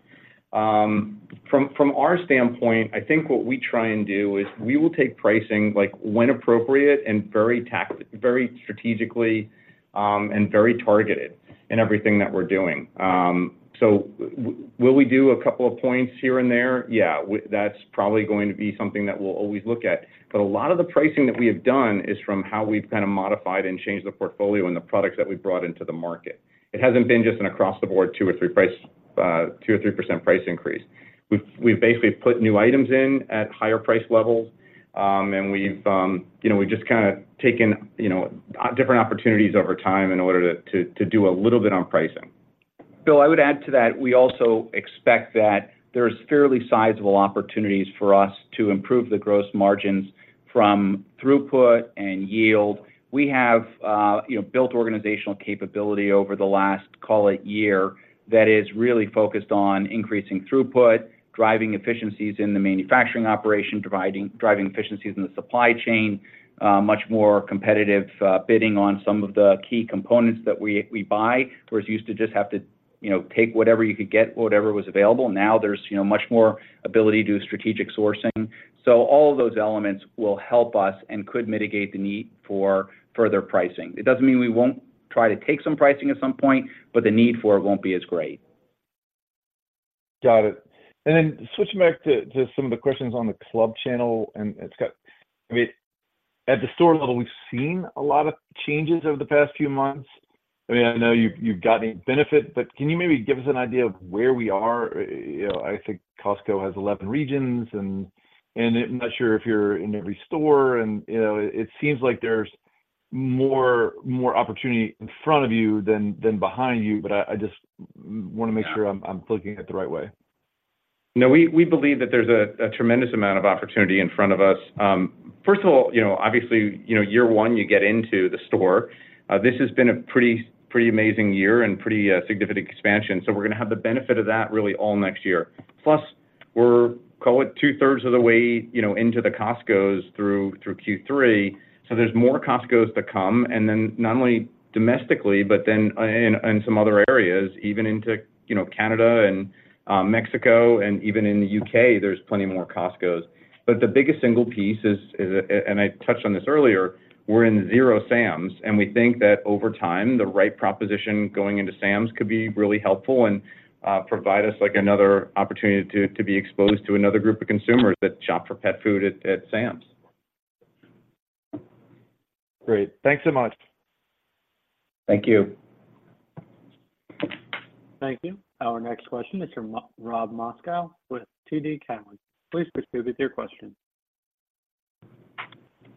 S7: From our standpoint, I think what we try and do is, we will take pricing, like, when appropriate and very strategically, and very targeted in everything that we're doing. So will we do a couple of points here and there? Yeah, that's probably going to be something that we'll always look at, but a lot of the pricing that we have done is from how we've kind of modified and changed the portfolio and the products that we've brought into the market. It hasn't been just an across-the-board 2 or 3% price increase. We've basically put new items in at higher price levels, and we've you know, we've just kinda taken, you know, different opportunities over time in order to do a little bit on pricing.
S3: Bill, I would add to that, we also expect that there's fairly sizable opportunities for us to improve the gross margins from throughput and yield. We have, you know, built organizational capability over the last, call it year, that is really focused on increasing throughput, driving efficiencies in the manufacturing operation, driving efficiencies in the supply chain, much more competitive bidding on some of the key components that we, we buy, whereas you used to just have to, you know, take whatever you could get, whatever was available. Now, there's, you know, much more ability to do strategic sourcing. So all of those elements will help us and could mitigate the need for further pricing. It doesn't mean we won't try to take some pricing at some point, but the need for it won't be as great.
S13: Got it. And then switching back to some of the questions on the club channel, and it's got... I mean, at the store level, we've seen a lot of changes over the past few months. I mean, I know you've gotten benefit, but can you maybe give us an idea of where we are? You know, I think Costco has 11 regions, and I'm not sure if you're in every store, and you know, it seems like there's more opportunity in front of you than behind you, but I just wanna make sure-
S3: Yeah...
S13: I'm looking at it the right way.
S7: No, we believe that there's a tremendous amount of opportunity in front of us. First of all, you know, obviously, you know, year one, you get into the store. This has been a pretty, pretty amazing year and pretty significant expansion, so we're gonna have the benefit of that really all next year. Plus, we're, call it, two-thirds of the way, you know, into the Costcos through Q3, so there's more Costcos to come, and then not only domestically, but then in some other areas, even into, you know, Canada and Mexico, and even in the UK, there's plenty more Costcos. But the biggest single piece is, and I touched on this earlier, we're in zero Sam's, and we think that over time, the right proposition going into Sam's could be really helpful and provide us, like, another opportunity to be exposed to another group of consumers that shop for pet food at Sam's.
S13: Great. Thanks so much.
S3: Thank you.
S1: Thank you. Our next question is from Rob Moskow with TD Cowen. Please proceed with your question. ...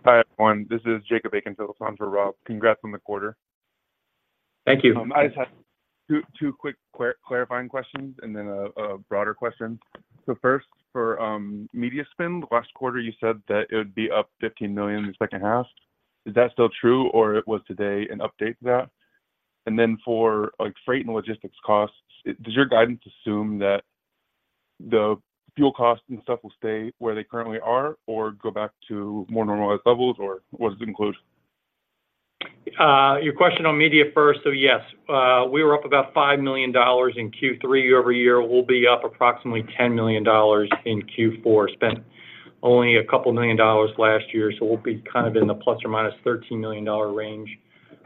S14: Hi, everyone. This is Jacob Aiken-Phillips for Rob. Congrats on the quarter.
S4: Thank you.
S14: I just had two, two quick, clarifying questions and then a broader question. So first, for media spend, last quarter, you said that it would be up $15 million in the second half. Is that still true, or it was today an update to that? And then for, like, freight and logistics costs, does your guidance assume that the fuel costs and stuff will stay where they currently are, or go back to more normalized levels, or what does it include?
S4: Your question on media first. So yes, we were up about $5 million in Q3 year-over-year. We'll be up approximately $10 million in Q4. Spent only $2 million last year, so we'll be kind of in the ±$13 million range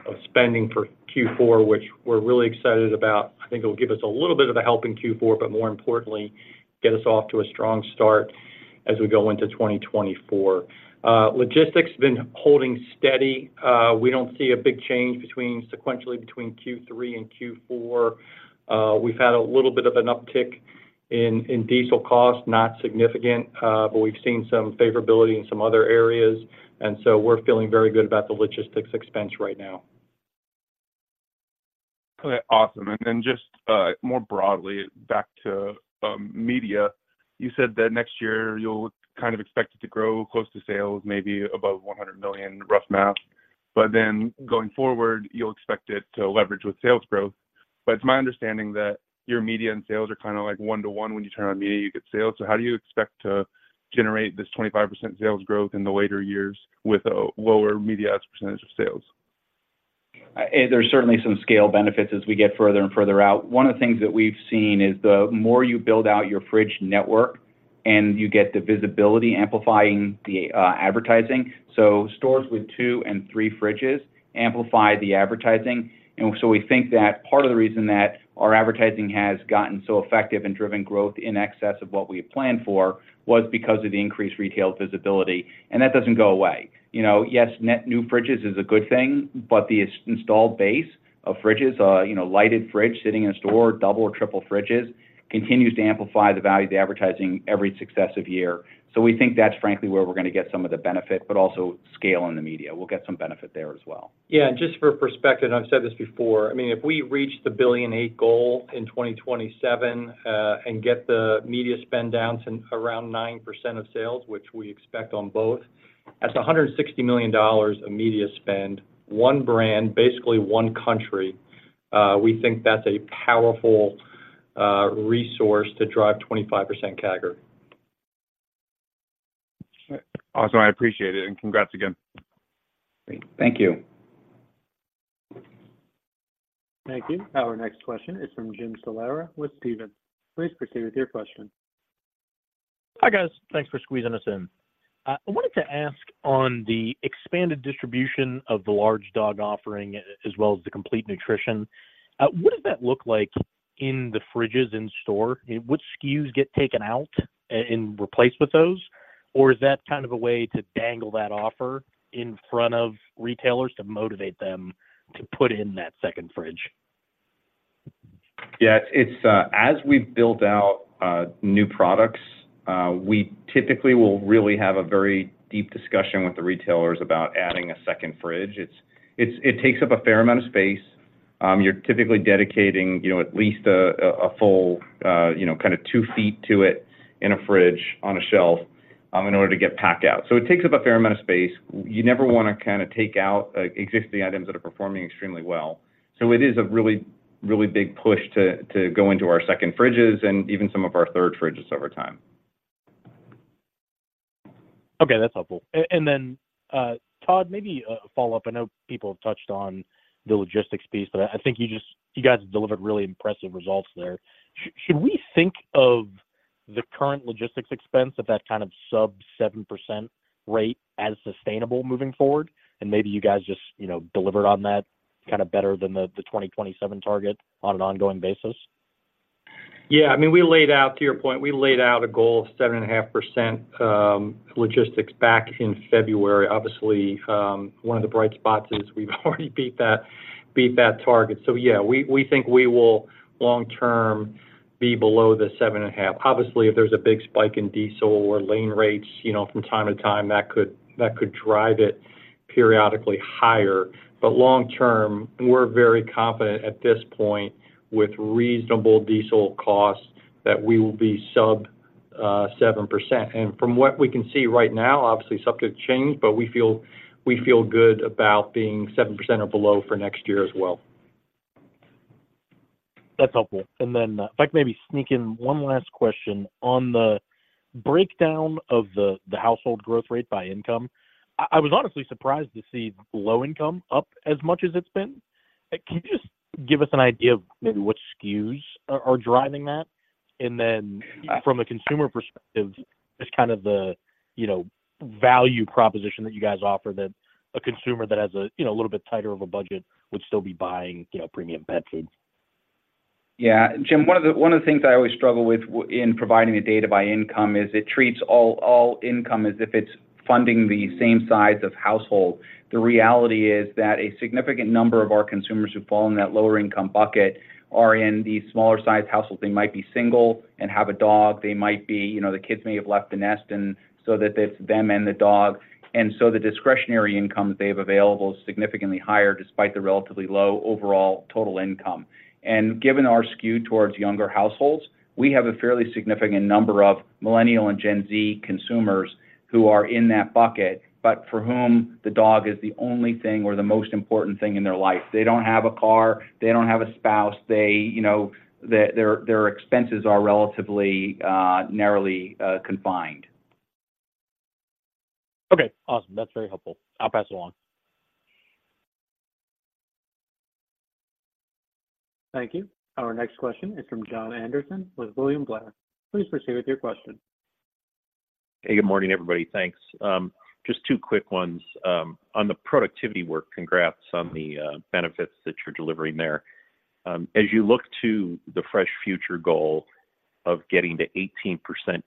S4: of spending for Q4, which we're really excited about. I think it will give us a little bit of a help in Q4, but more importantly, get us off to a strong start as we go into 2024. Logistics been holding steady. We don't see a big change sequentially between Q3 and Q4. We've had a little bit of an uptick in diesel costs, not significant, but we've seen some favorability in some other areas, and so we're feeling very good about the logistics expense right now.
S14: Okay, awesome. Then just more broadly back to media. You said that next year you'll kind of expect it to grow close to sales, maybe above $1 million, rough math. But then going forward, you'll expect it to leverage with sales growth. But it's my understanding that your media and sales are kind of like 1-to-1. When you turn on media, you get sales. So how do you expect to generate this 25% sales growth in the later years with a lower media as a percentage of sales?
S4: There's certainly some scale benefits as we get further and further out. One of the things that we've seen is the more you build out your fridge network and you get the visibility, amplifying the advertising. So stores with two and three fridges amplify the advertising. And so we think that part of the reason that our advertising has gotten so effective and driven growth in excess of what we had planned for was because of the increased retail visibility, and that doesn't go away. You know, yes, net new fridges is a good thing, but the installed base of fridges, you know, lighted fridge sitting in a store, double or triple fridges, continues to amplify the value of the advertising every successive year. So we think that's frankly where we're gonna get some of the benefit, but also scale in the media. We'll get some benefit there as well. Yeah, and just for perspective, I've said this before, I mean, if we reach the $1.8 billion goal in 2027, and get the media spend down to around 9% of sales, which we expect on both, that's $160 million of media spend. One brand, basically one country, we think that's a powerful resource to drive 25% CAGR.
S14: Awesome, I appreciate it, and congrats again.
S4: Great. Thank you.
S1: Thank you. Our next question is from Jim Salera with Stephens. Please proceed with your question.
S15: Hi, guys. Thanks for squeezing us in. I wanted to ask on the expanded distribution of the Large Dog offering, as well as the Complete Nutrition, what does that look like in the fridges in store? Which SKUs get taken out and replaced with those? Or is that kind of a way to dangle that offer in front of retailers to motivate them to put in that second fridge?
S4: Yeah, it's as we've built out new products, we typically will really have a very deep discussion with the retailers about adding a second fridge. It takes up a fair amount of space. You're typically dedicating, you know, at least a full, you know, kind of two feet to it in a fridge, on a shelf, in order to get pack out. So it takes up a fair amount of space. You never wanna kinda take out existing items that are performing extremely well. So it is a really, really big push to go into our second fridges and even some of our third fridges over time.
S15: Okay, that's helpful. And then, Todd, maybe a follow-up. I know people have touched on the logistics piece, but I think you just, you guys delivered really impressive results there. Should we think of the current logistics expense at that kind of sub 7% rate as sustainable moving forward? And maybe you guys just, you know, delivered on that kind of better than the 2027 target on an ongoing basis.
S4: Yeah, I mean, we laid out, to your point, we laid out a goal of 7.5% logistics back in February. Obviously, one of the bright spots is we've already beat that-- beat that target. So yeah, we, we think we will long term be below the 7.5%. Obviously, if there's a big spike in diesel or lane rates, you know, from time to time, that could, that could drive it periodically higher. But long term, we're very confident at this point with reasonable diesel costs, that we will be sub seven percent. And from what we can see right now, obviously, subject to change, but we feel, we feel good about being 7% or below for next year as well.
S15: That's helpful. And then if I could maybe sneak in one last question on the breakdown of the household growth rate by income. I was honestly surprised to see low income up as much as it's been. Can you just give us an idea of maybe what SKUs are driving that? And then from a consumer perspective, just kind of the, you know, value proposition that you guys offer, that a consumer that has a, you know, a little bit tighter of a budget would still be buying, you know, premium pet food?
S4: Yeah, Jim, one of the, one of the things I always struggle with in providing the data by income is it treats all, all income as if it's funding the same size of household. The reality is that a significant number of our consumers who fall in that lower income bucket are in the smaller sized household. They might be single and have a dog. They might be, you know, the kids may have left the nest, and so that it's them and the dog. And so the discretionary income they have available is significantly higher, despite the relatively low overall total income. And given our skew towards younger households, we have a fairly significant number of Millennial and Gen Z consumers who are in that bucket, but for whom the dog is the only thing or the most important thing in their life. They don't have a car, they don't have a spouse. They, you know, their expenses are relatively, narrowly, confined.
S15: Okay, awesome. That's very helpful. I'll pass it along.
S1: Thank you. Our next question is from Jon Andersen with William Blair. Please proceed with your question.
S16: Hey, good morning, everybody. Thanks. Just two quick ones. On the productivity work, congrats on the benefits that you're delivering there. As you look to the Fresh Future goal of getting to 18%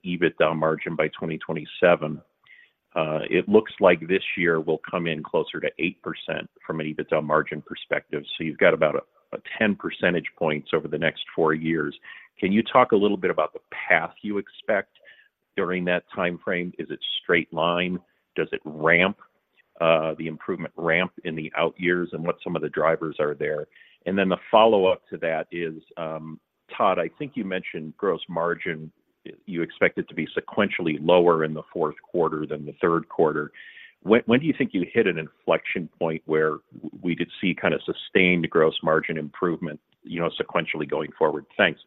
S16: EBITDA margin by 2027, it looks like this year will come in closer to 8% from an EBITDA margin perspective. So you've got about a 10 percentage points over the next four years. Can you talk a little bit about the path you expect during that time frame? Is it straight line? Does it ramp, the improvement ramp in the out years, and what some of the drivers are there? Then the follow-up to that is, Todd, I think you mentioned gross margin. You expect it to be sequentially lower in the fourth quarter than the Q3. When do you think you hit an inflection point where we could see kind of sustained gross margin improvement, you know, sequentially going forward? Thanks.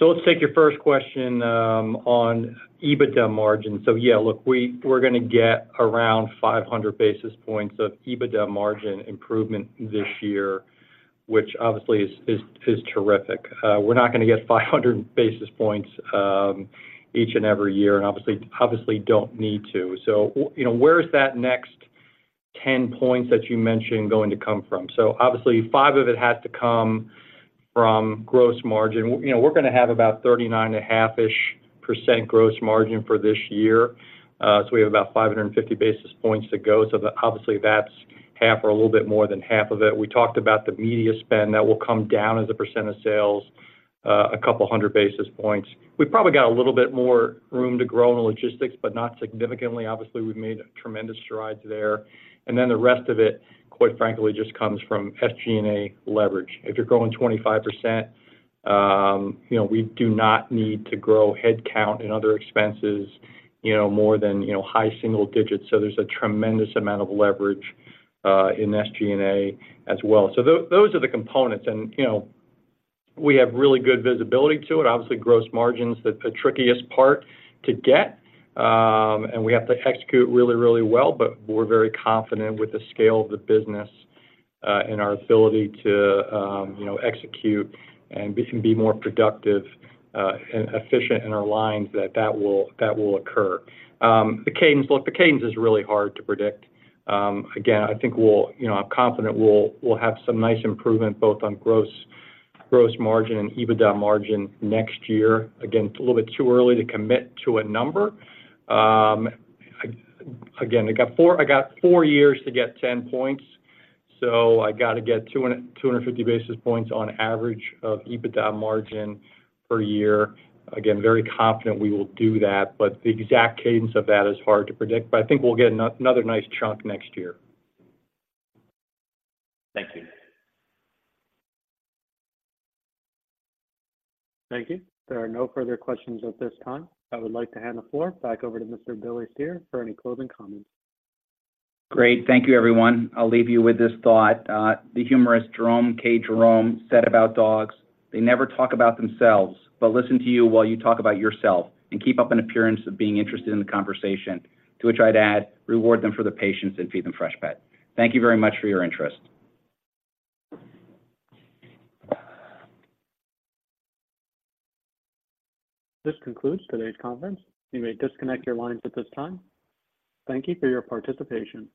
S4: So let's take your first question on EBITDA margin. So yeah, look, we're gonna get around 500 basis points of EBITDA margin improvement this year, which obviously is terrific. We're not gonna get 500 basis points each and every year, and obviously don't need to. So you know, where is that next 10 points that you mentioned going to come from? So obviously, 5 of it has to come from gross margin. You know, we're gonna have about 39.5%-ish% gross margin for this year. So we have about 550 basis points to go, so obviously, that's half or a little bit more than half of it. We talked about the media spend. That will come down as a % of sales, a couple hundred basis points. We've probably got a little bit more room to grow in logistics, but not significantly. Obviously, we've made tremendous strides there. And then the rest of it, quite frankly, just comes from SG&A leverage. If you're growing 25%, you know, we do not need to grow headcount and other expenses, you know, more than, you know, high single digits. So there's a tremendous amount of leverage in SG&A as well. So those are the components and, you know, we have really good visibility to it. Obviously, gross margin's the trickiest part to get, and we have to execute really, really well. But we're very confident with the scale of the business and our ability to, you know, execute, and we can be more productive and efficient in our lines that that will, that will occur. The cadence... Look, the cadence is really hard to predict. Again, I think we'll, you know, I'm confident we'll, we'll have some nice improvement both on gross, gross margin and EBITDA margin next year. Again, it's a little bit too early to commit to a number. Again, I got 4, I got 4 years to get 10 points, so I got to get 200-250 basis points on average of EBITDA margin per year. Again, very confident we will do that, but the exact cadence of that is hard to predict. But I think we'll get another nice chunk next year.
S16: Thank you.
S1: Thank you. There are no further questions at this time. I would like to hand the floor back over to Mr. Billy Cyr for any closing comments.
S3: Great. Thank you, everyone. I'll leave you with this thought: the humorist Jerome K. Jerome said about dogs, "They never talk about themselves, but listen to you while you talk about yourself and keep up an appearance of being interested in the conversation." To which I'd add, reward them for their patience and feed them Freshpet. Thank you very much for your interest.
S1: This concludes today's conference. You may disconnect your lines at this time. Thank you for your participation.